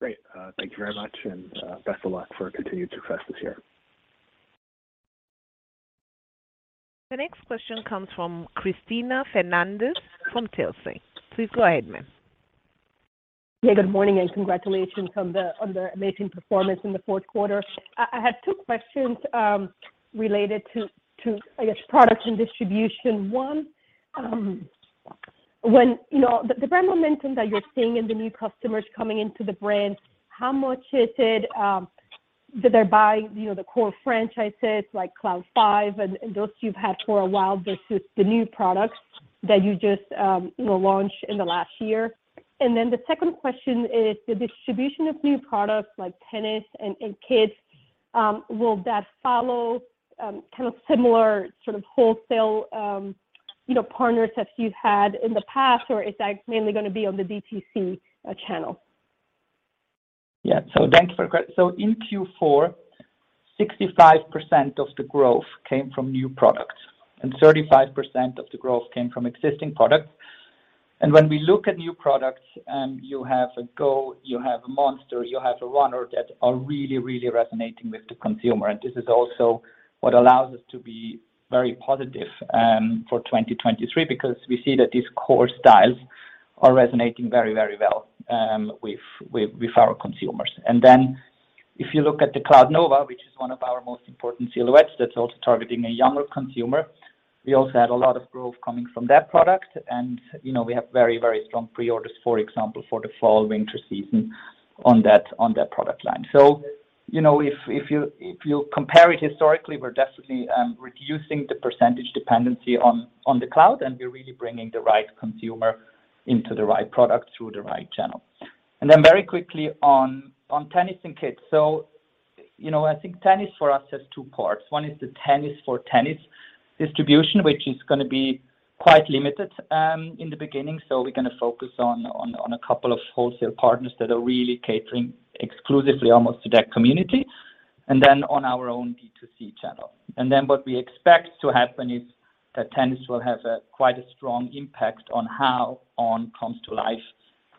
Great. Thank you very much, and best of luck for continued success this year. The next question comes from Christina Fernandez from Telsey. Please go ahead, ma'am. Yeah, good morning and congratulations on the amazing performance in the fourth quarter. I had two questions related to, I guess, product and distribution. One, when, you know, the brand momentum that you're seeing in the new customers coming into the brand, how much is it that they're buying, you know, the core franchises like Cloud 5 and those you've had for a while versus the new products that you just, you know, launched in the last year? The second question is the distribution of new products like tennis and kids, will that follow kind of similar sort of wholesale, you know, partners that you've had in the past, or is that mainly gonna be on the DTC channel? In Q4, 65% of the growth came from new products, and 35% of the growth came from existing products. When we look at new products, you have a Go, you have a monster, you have a runner that are really resonating with the consumer. This is also what allows us to be very positive for 2023 because we see that these core styles are resonating very well with our consumers. If you look at the Cloudnova, which is one of our most important silhouettes that's also targeting a younger consumer, we also had a lot of growth coming from that product. You know, we have very strong pre-orders, for example, for the fall/winter season on that product line. You know, if you, if you compare it historically, we're definitely reducing the percentage dependency on the Cloud, and we're really bringing the right consumer into the right product through the right channel. Then very quickly on tennis and kids. You know, I think tennis for us has two parts. One is the tennis for tennis distribution, which is gonna be quite limited in the beginning. We're gonna focus on a couple of wholesale partners that are really catering exclusively almost to that community, and then on our own D2C channel. Then what we expect to happen is that tennis will have a quite a strong impact on how On comes to life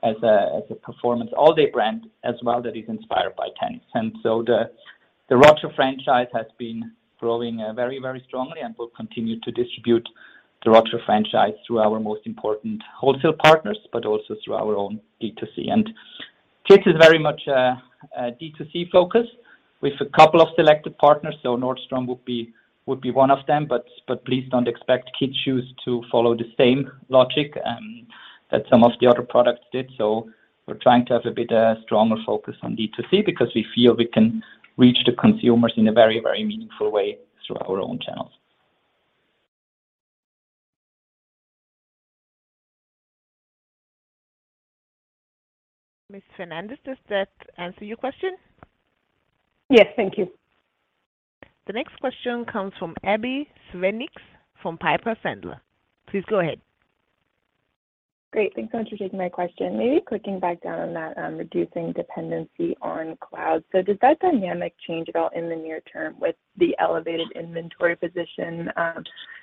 as a performance all-day brand as well that is inspired by tennis. THE ROGER franchise has been growing very, very strongly and will continue to distribute THE ROGER franchise through our most important wholesale partners, but also through our own D2C. Kids is very much a D2C focus with a couple of selected partners. Nordstrom would be one of them, but please don't expect kids shoes to follow the same logic that some of the other products did. We're trying to have a bit stronger focus on D2C because we feel we can reach the consumers in a very, very meaningful way through our own channels. Ms. Fernandez, does that answer your question? Yes. Thank you. The next question comes from Abbie Zvejnieks from Piper Sandler. Please go ahead. Great. Thanks so much for taking my question. Maybe clicking back down on that, reducing dependency on Cloud. Does that dynamic change at all in the near term with the elevated inventory position?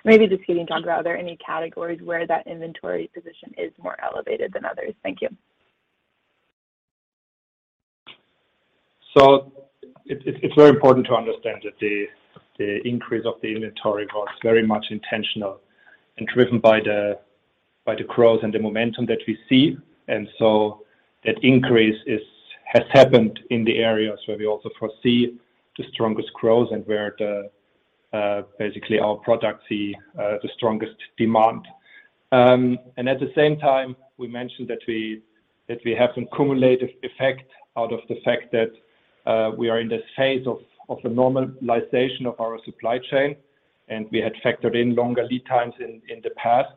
Maybe just can you talk about are there any categories where that inventory position is more elevated than others? Thank you. It's very important to understand that the increase of the inventory was very much intentional and driven by the growth and the momentum that we see. That increase has happened in the areas where we also foresee the strongest growth and where the basically our products see the strongest demand. At the same time, we mentioned that we have some cumulative effect out of the fact that we are in this phase of the normalization of our supply chain, and we had factored in longer lead times in the past.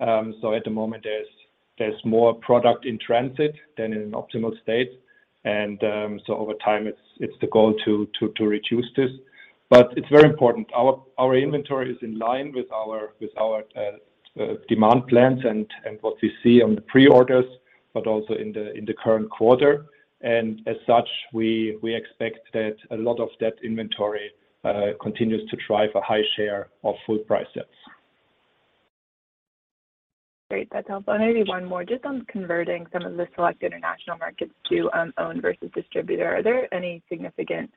At the moment, there's more product in transit than in an optimal state. Over time, it's the goal to reduce this. It's very important. Our inventory is in line with our demand plans and what we see on the pre-orders, but also in the current quarter. As such, we expect that a lot of that inventory continues to drive a high share of full price sets. Great. That's helpful. Maybe one more just on converting some of the select international markets to own versus distributor. Are there any significant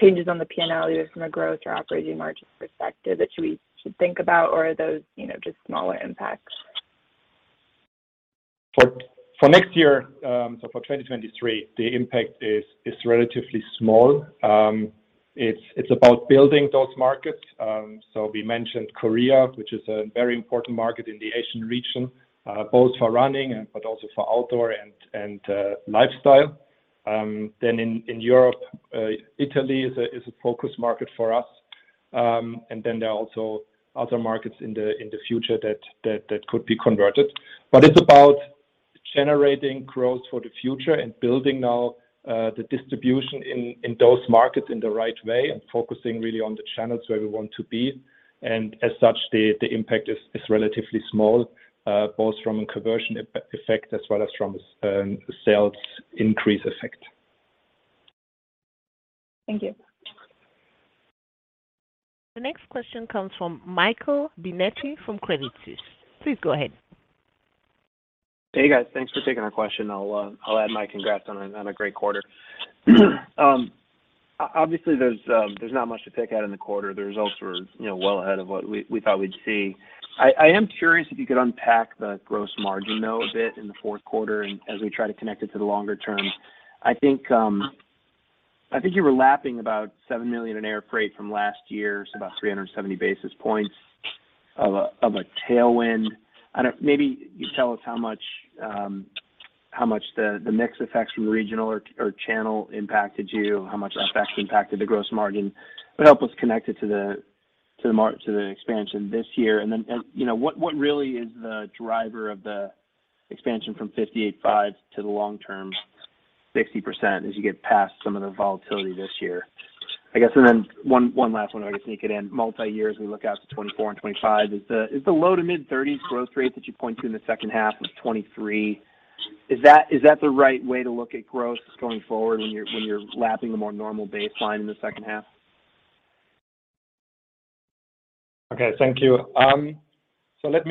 changes on the P&L either from a growth or operating margin perspective that we should think about, or are those, you know, just smaller impacts? For next year, for 2023, the impact is relatively small. It's about building those markets. We mentioned Korea, which is a very important market in the Asian region, both for running and but also for outdoor and lifestyle. In Europe, Italy is a focus market for us. There are also other markets in the future that could be converted. It's about generating growth for the future and building now the distribution in those markets in the right way and focusing really on the channels where we want to be. As such, the impact is relatively small, both from a conversion effect as well as from a sales increase effect. Thank you. The next question comes from Michael Binetti from Credit Suisse. Please go ahead. Hey, guys. Thanks for taking our question. I'll add my congrats on a great quarter. Obviously, there's not much to pick at in the quarter. The results were, you know, well ahead of what we thought we'd see. I am curious if you could unpack the gross margin, though, a bit in the fourth quarter and as we try to connect it to the longer term. I think you were lapping about 7 million in air freight from last year, so about 370 basis points of a tailwind. I don't. Maybe you tell us how much the mix effects from regional or channel impacted you, how much that fact impacted the gross margin. Help us connect it to the expansion this year. You know, what really is the driver of the expansion from 58.5% to the long term 60% as you get past some of the volatility this year? I guess. One last one, I can sneak it in. Multi-years, we look out to 2024 and 2025. Is the low to mid-30s growth rate that you point to in the second half of 2023, is that the right way to look at growth going forward when you're lapping the more normal baseline in the second half? Okay. Thank you. Let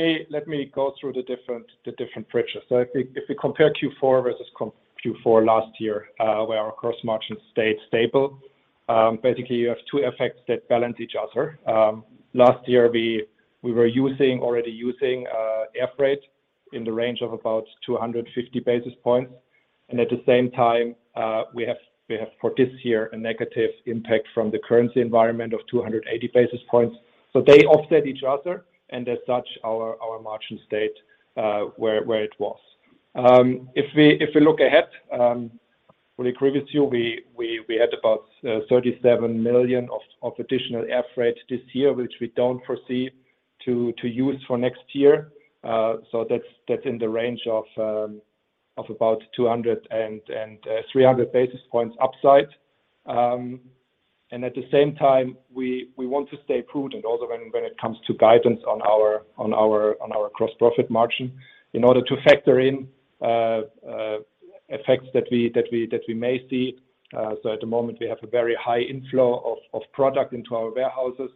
me go through the different bridges. If we compare Q4 versus Q4 last year, where our gross margin stayed stable. Basically, you have two effects that balance each other. Last year we already using air freight in the range of about 250 basis points, and at the same time, we have for this year a negative impact from the currency environment of 280 basis points. They offset each other, and as such, our margin stayed where it was. If we look ahead, for the previous year, we had about 37 million of additional air freight this year, which we don't foresee to use for next year. That's in the range of about 200 basis points and 300 basis points upside. At the same time, we want to stay prudent also when it comes to guidance on our gross profit margin in order to factor in effects that we may see. At the moment, we have a very high inflow of product into our warehouses,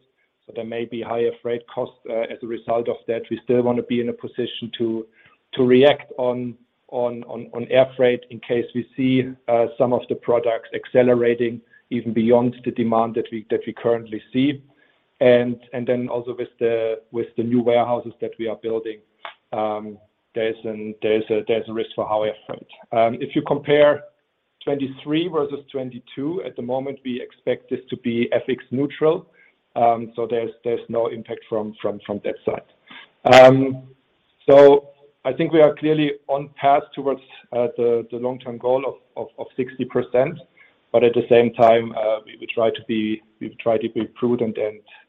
so there may be higher freight costs. As a result of that, we still wanna be in a position to react on air freight in case we see some of the products accelerating even beyond the demand that we currently see. Then also with the new warehouses that we are building, there's a risk for higher freight. If you compare 2023 versus 2022, at the moment, we expect this to be FX neutral, there's no impact from that side. I think we are clearly on path towards the long-term goal of 60%, at the same time, we try to be prudent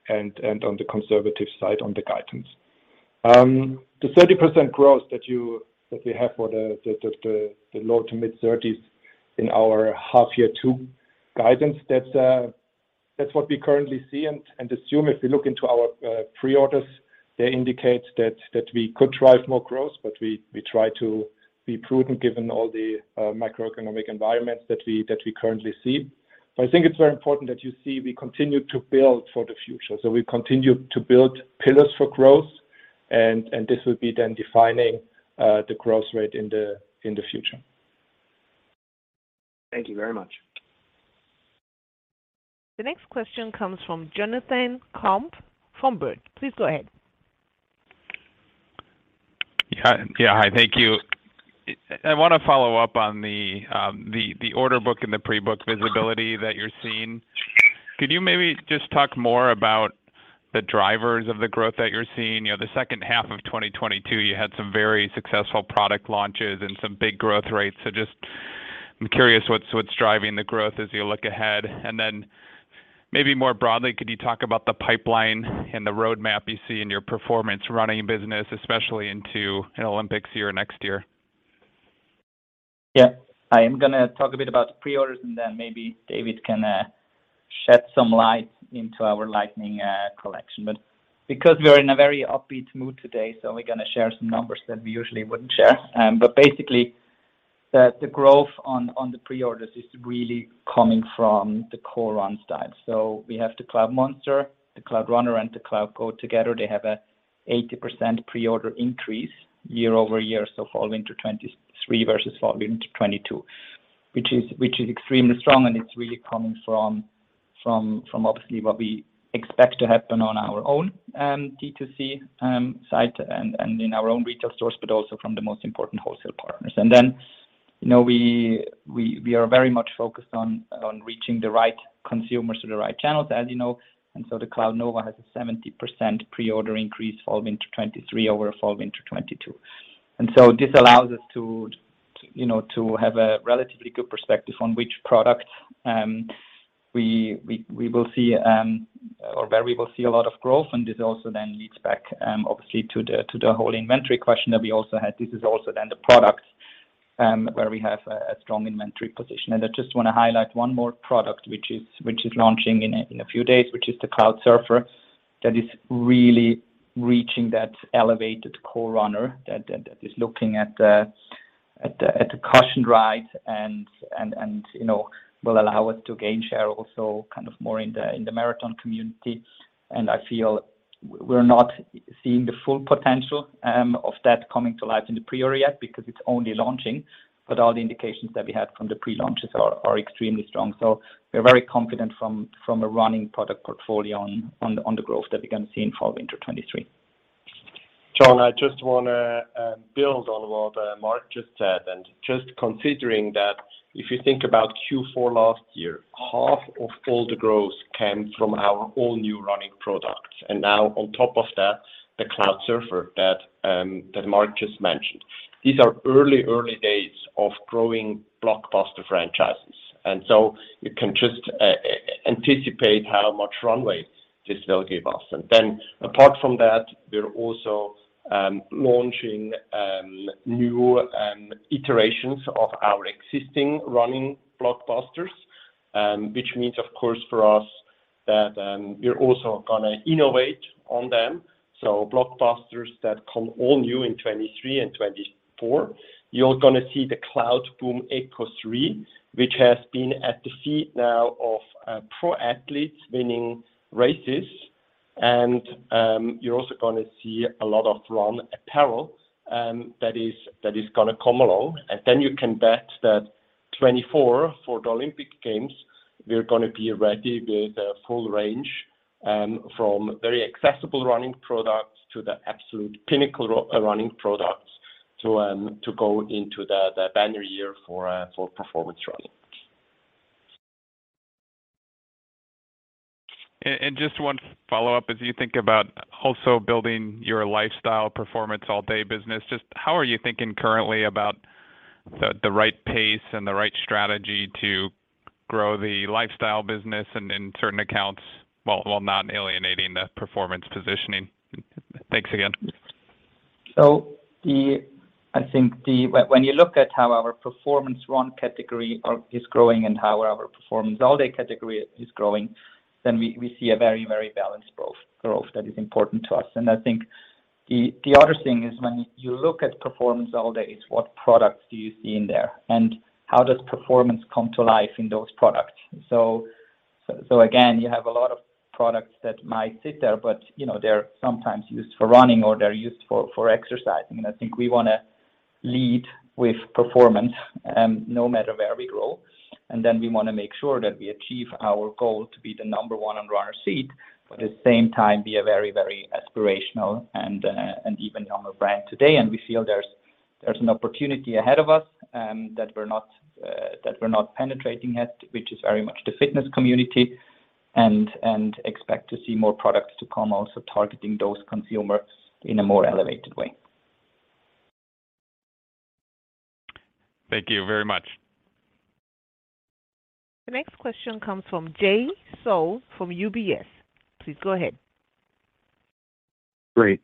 and on the conservative side on the guidance. The 30% growth that we have for the low to mid-30s in our half year two guidance, that's what we currently see and assume. If we look into our pre-orders, they indicate that we could drive more growth, but we try to be prudent given all the macroeconomic environments that we currently see. I think it's very important that you see we continue to build for the future. We continue to build pillars for growth, and this will be then defining the growth rate in the future. Thank you very much. The next question comes from Jonathan Komp from Baird. Please go ahead. Yeah. Yeah. Hi, thank you. I wanna follow up on the the order book and the pre-book visibility that you're seeing. Could you maybe just talk more about the drivers of the growth that you're seeing? You know, the second half of 2022, you had some very successful product launches and some big growth rates. Just I'm curious what's driving the growth as you look ahead. Maybe more broadly, could you talk about the pipeline and the roadmap you see in your performance running business, especially into an Olympics year next year? I am gonna talk a bit about pre-orders, maybe David can shed some light into our Lightning collection. Because we are in a very upbeat mood today, we're gonna share some numbers that we usually wouldn't share. Basically, the growth on the pre-orders is really coming from the core run style. We have the Cloudmonster, the Cloudrunner, and the Cloudgo together. They have an 80% pre-order increase year-over-year, fall winter 2023 versus fall winter 2022, which is extremely strong, it's really coming from obviously what we expect to happen on our own D2C site and in our own retail stores, also from the most important wholesale partners. You know, we are very much focused on reaching the right consumers through the right channels, as you know. The Cloudnova has a 70% pre-order increase fall winter 2023 over fall winter 2022. This allows us to, you know, to have a relatively good perspective on which products we will see or where we will see a lot of growth. This also then leads back obviously to the whole inventory question that we also had. This is also then the product where we have a strong inventory position. I just wanna highlight one more product, which is launching in a few days, which is the Cloudsurfer, that is really reaching that elevated core runner that is looking at the cushioned ride and, you know, will allow us to gain share also kind of more in the marathon community. I feel we're not seeing the full potential of that coming to light in the pre-order yet because it's only launching, but all the indications that we had from the pre-launches are extremely strong. We're very confident from a running product portfolio on the growth that we're gonna see in fall winter 2023. Jon, I just wanna build on what Marc just said, just considering that if you think about Q4 last year, half of all the growth came from our all new running products. Now on top of that, the Cloudsurfer that Marc just mentioned. These are early days of growing blockbuster franchises. You can just anticipate how much runway this will give us. Apart from that, we're also launching new iterations of our existing running blockbusters, which means, of course, for us that we're also gonna innovate on them. Blockbusters that come all new in 2023 and 2024. You're gonna see the Cloudboom Echo 3, which has been at the feet now of pro athletes winning races. You're also gonna see a lot of run apparel that is gonna come along. You can bet that 2024 for the Olympic Games, we're gonna be ready with a full range from very accessible running products to the absolute pinnacle running products to go into the banner year for performance running. Just one follow-up. As you think about also building your lifestyle performance all-day business, just how are you thinking currently about the right pace and the right strategy to grow the lifestyle business and in certain accounts, while not alienating the performance positioning? Thanks again. I think when you look at how our performance run category is growing and how our performance all-day category is growing, then we see a very, very balanced growth that is important to us. I think the other thing is when you look at performance all day, it's what products do you see in there, and how does performance come to life in those products? Again, you have a lot of products that might sit there, but you know, they're sometimes used for running, or they're used for exercising. I think we wanna lead with performance no matter where we grow. We wanna make sure that we achieve our goal to be the number one on runner seat, but at the same time be a very, very aspirational and even On brand today. We feel there's an opportunity ahead of us, that we're not, that we're not penetrating yet, which is very much the fitness community, and expect to see more products to come also targeting those consumers in a more elevated way. Thank you very much. The next question comes from Jay Sole from UBS. Please go ahead. Great.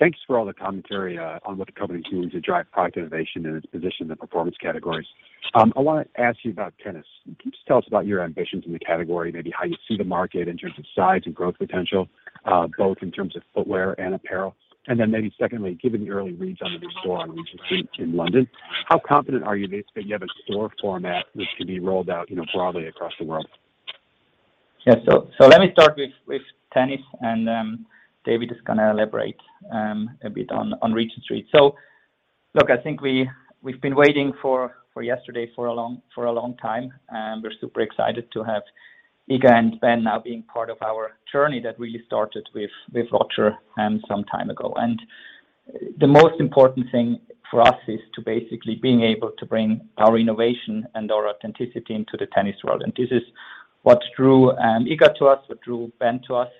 Thanks for all the commentary on what the company is doing to drive product innovation and its position in the performance categories. I wanna ask you about tennis. Can you just tell us about your ambitions in the category, maybe how you see the market in terms of size and growth potential, both in terms of footwear and apparel? Maybe secondly, given the early reads on the new store on Regent Street in London, how confident are you basically that you have a store format which can be rolled out, you know, broadly across the world? Yeah. Let me start with tennis and David is gonna elaborate a bit on Regent Street. Look, I think we've been waiting for yesterday for a long time, and we're super excited to have Iga and Ben now being part of our journey that really started with Roger some time ago. The most important thing for us is to basically being able to bring our innovation and our authenticity into the tennis world. This is what drew Iga to us, what drew Ben to us,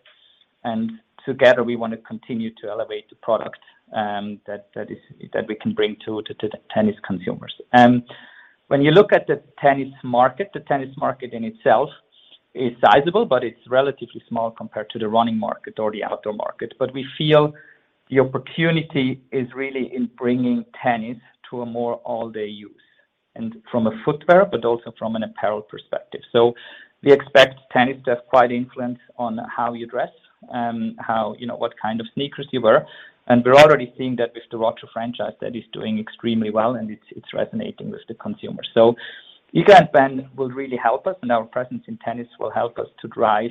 and together we wanna continue to elevate the product that we can bring to tennis consumers. When you look at the tennis market, the tennis market in itself is sizable, but it's relatively small compared to the running market or the outdoor market. We feel the opportunity is really in bringing tennis to a more all-day use and from a footwear, but also from an apparel perspective. We expect tennis to have quite influence on how you dress, how, you know, what kind of sneakers you wear. We're already seeing that with THE ROGER franchise that is doing extremely well and it's resonating with the consumer. Iga and Ben will really help us, and our presence in tennis will help us to drive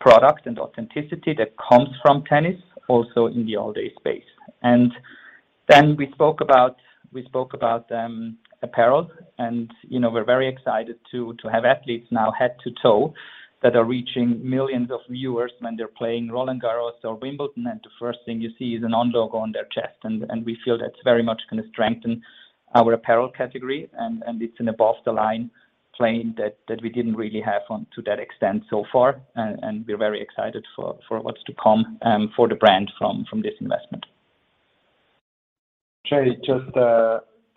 product and authenticity that comes from tennis also in the all-day space. Then we spoke about apparel and, you know, we're very excited to have athletes now head to toe that are reaching millions of viewers when they're playing Roland Garros or Wimbledon, and the first thing you see is an On logo on their chest. We feel that's very much gonna strengthen our apparel category and it's an above the line play that we didn't really have on to that extent so far. We're very excited for what's to come for the brand from this investment. Jay, just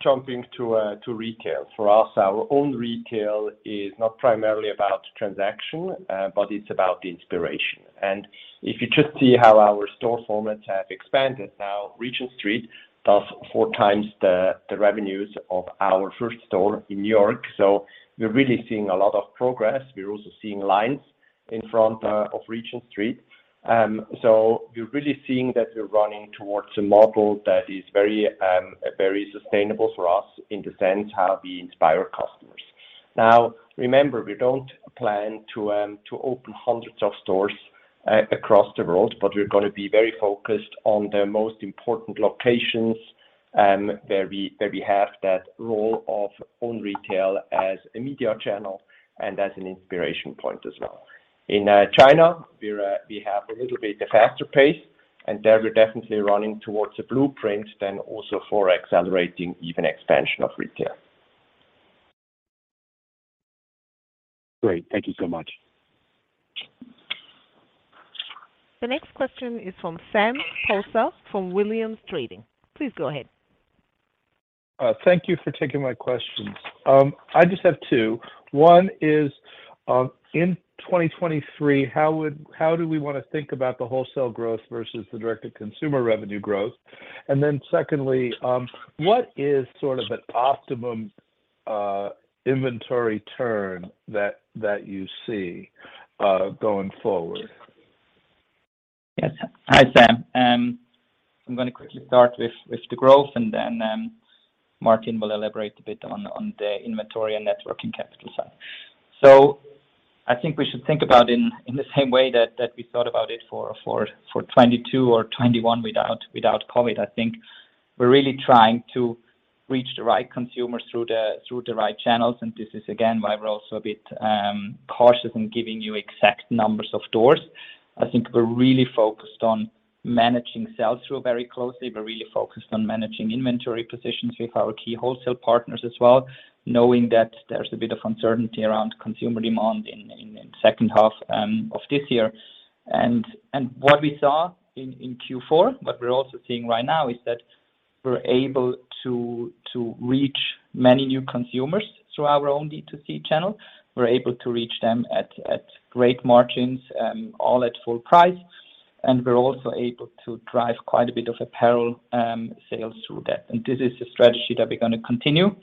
jumping to retail. For us, our own retail is not primarily about transaction, but it's about the inspiration. If you just see how our store formats have expanded, Regent Street does four times the revenues of our first store in New York. We're really seeing a lot of progress. We're also seeing lines in front of Regent Street. We're really seeing that we're running towards a model that is very sustainable for us in the sense how we inspire customers. Remember, we don't plan to open hundreds of stores across the world, but we're gonna be very focused on the most important locations where we have that role of own retail as a media channel and as an inspiration point as well. In China, we have a little bit faster pace, there we're definitely running towards a blueprint then also for accelerating even expansion of retail. Great. Thank you so much. The next question is from Sam Poser from Williams Trading. Please go ahead. Thank you for taking my questions. I just have two. One is, in 2023, how do we wanna think about the wholesale growth versus the direct to consumer revenue growth? Secondly, what is sort of an optimum inventory turn that you see going forward? Yes. Hi, Sam. I'm gonna quickly start with the growth and then Martin will elaborate a bit on the inventory and networking capital side. I think we should think about in the same way that we thought about it for 2022 or 2021 without COVID. I think we're really trying to reach the right consumers through the right channels, and this is again, why we're also a bit cautious in giving you exact numbers of doors. I think we're really focused on managing sales through very closely. We're really focused on managing inventory positions with our key wholesale partners as well, knowing that there's a bit of uncertainty around consumer demand in second half of this year. What we saw in Q4, but we're also seeing right now, is that we're able to reach many new consumers through our own D2C channel. We're able to reach them at great margins, all at full price. We're also able to drive quite a bit of apparel sales through that. This is a strategy that we're gonna continue,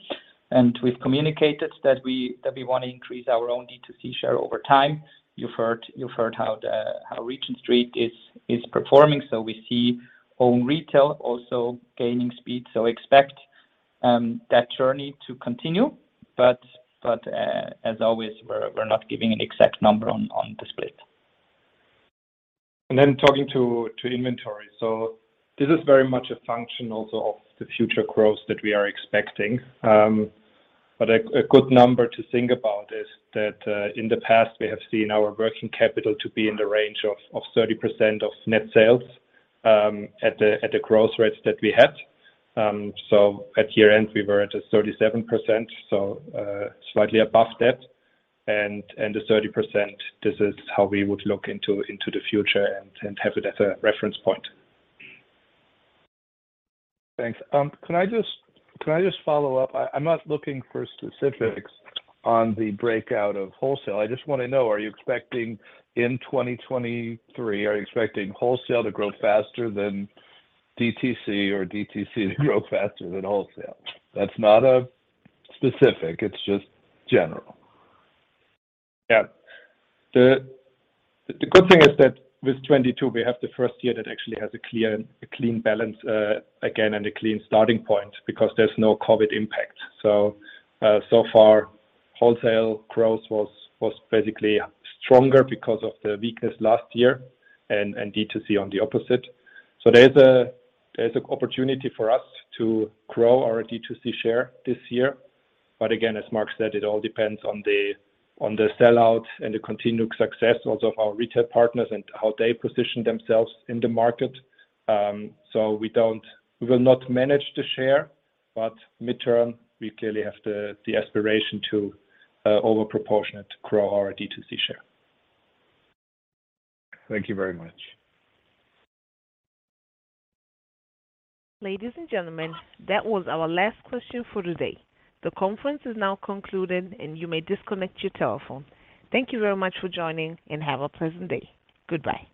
and we've communicated that we wanna increase our own D2C share over time. You've heard how Regent Street is performing. We see own retail also gaining speed. Expect that journey to continue. As always, we're not giving an exact number on the split. Talking to inventory. This is very much a function also of the future growth that we are expecting. But a good number to think about is that in the past we have seen our working capital to be in the range of 30% of net sales at the growth rates that we had. At year-end, we were at 37%, so slightly above that. The 30%, this is how we would look into the future and have it as a reference point. Thanks. Can I just follow up? I'm not looking for specifics on the breakout of wholesale. I just wanna know, are you expecting in 2023 wholesale to grow faster than DTC or DTC to grow faster than wholesale? That's not specific, it's just general. Yeah. The good thing is that with 2022, we have the first year that actually has a clear, a clean balance again and a clean starting point because there's no COVID impact. So far, wholesale growth was basically stronger because of the weakness last year and D2C on the opposite. There's a opportunity for us to grow our D2C share this year. Again, as Marc said, it all depends on the sell-out and the continued success also of our retail partners and how they position themselves in the market. We will not manage the share, but mid-term, we clearly have the aspiration to over proportionate grow our D2C share. Thank you very much. Ladies and gentlemen, that was our last question for today. The conference is now concluded, and you may disconnect your telephone. Thank you very much for joining, and have a pleasant day. Goodbye.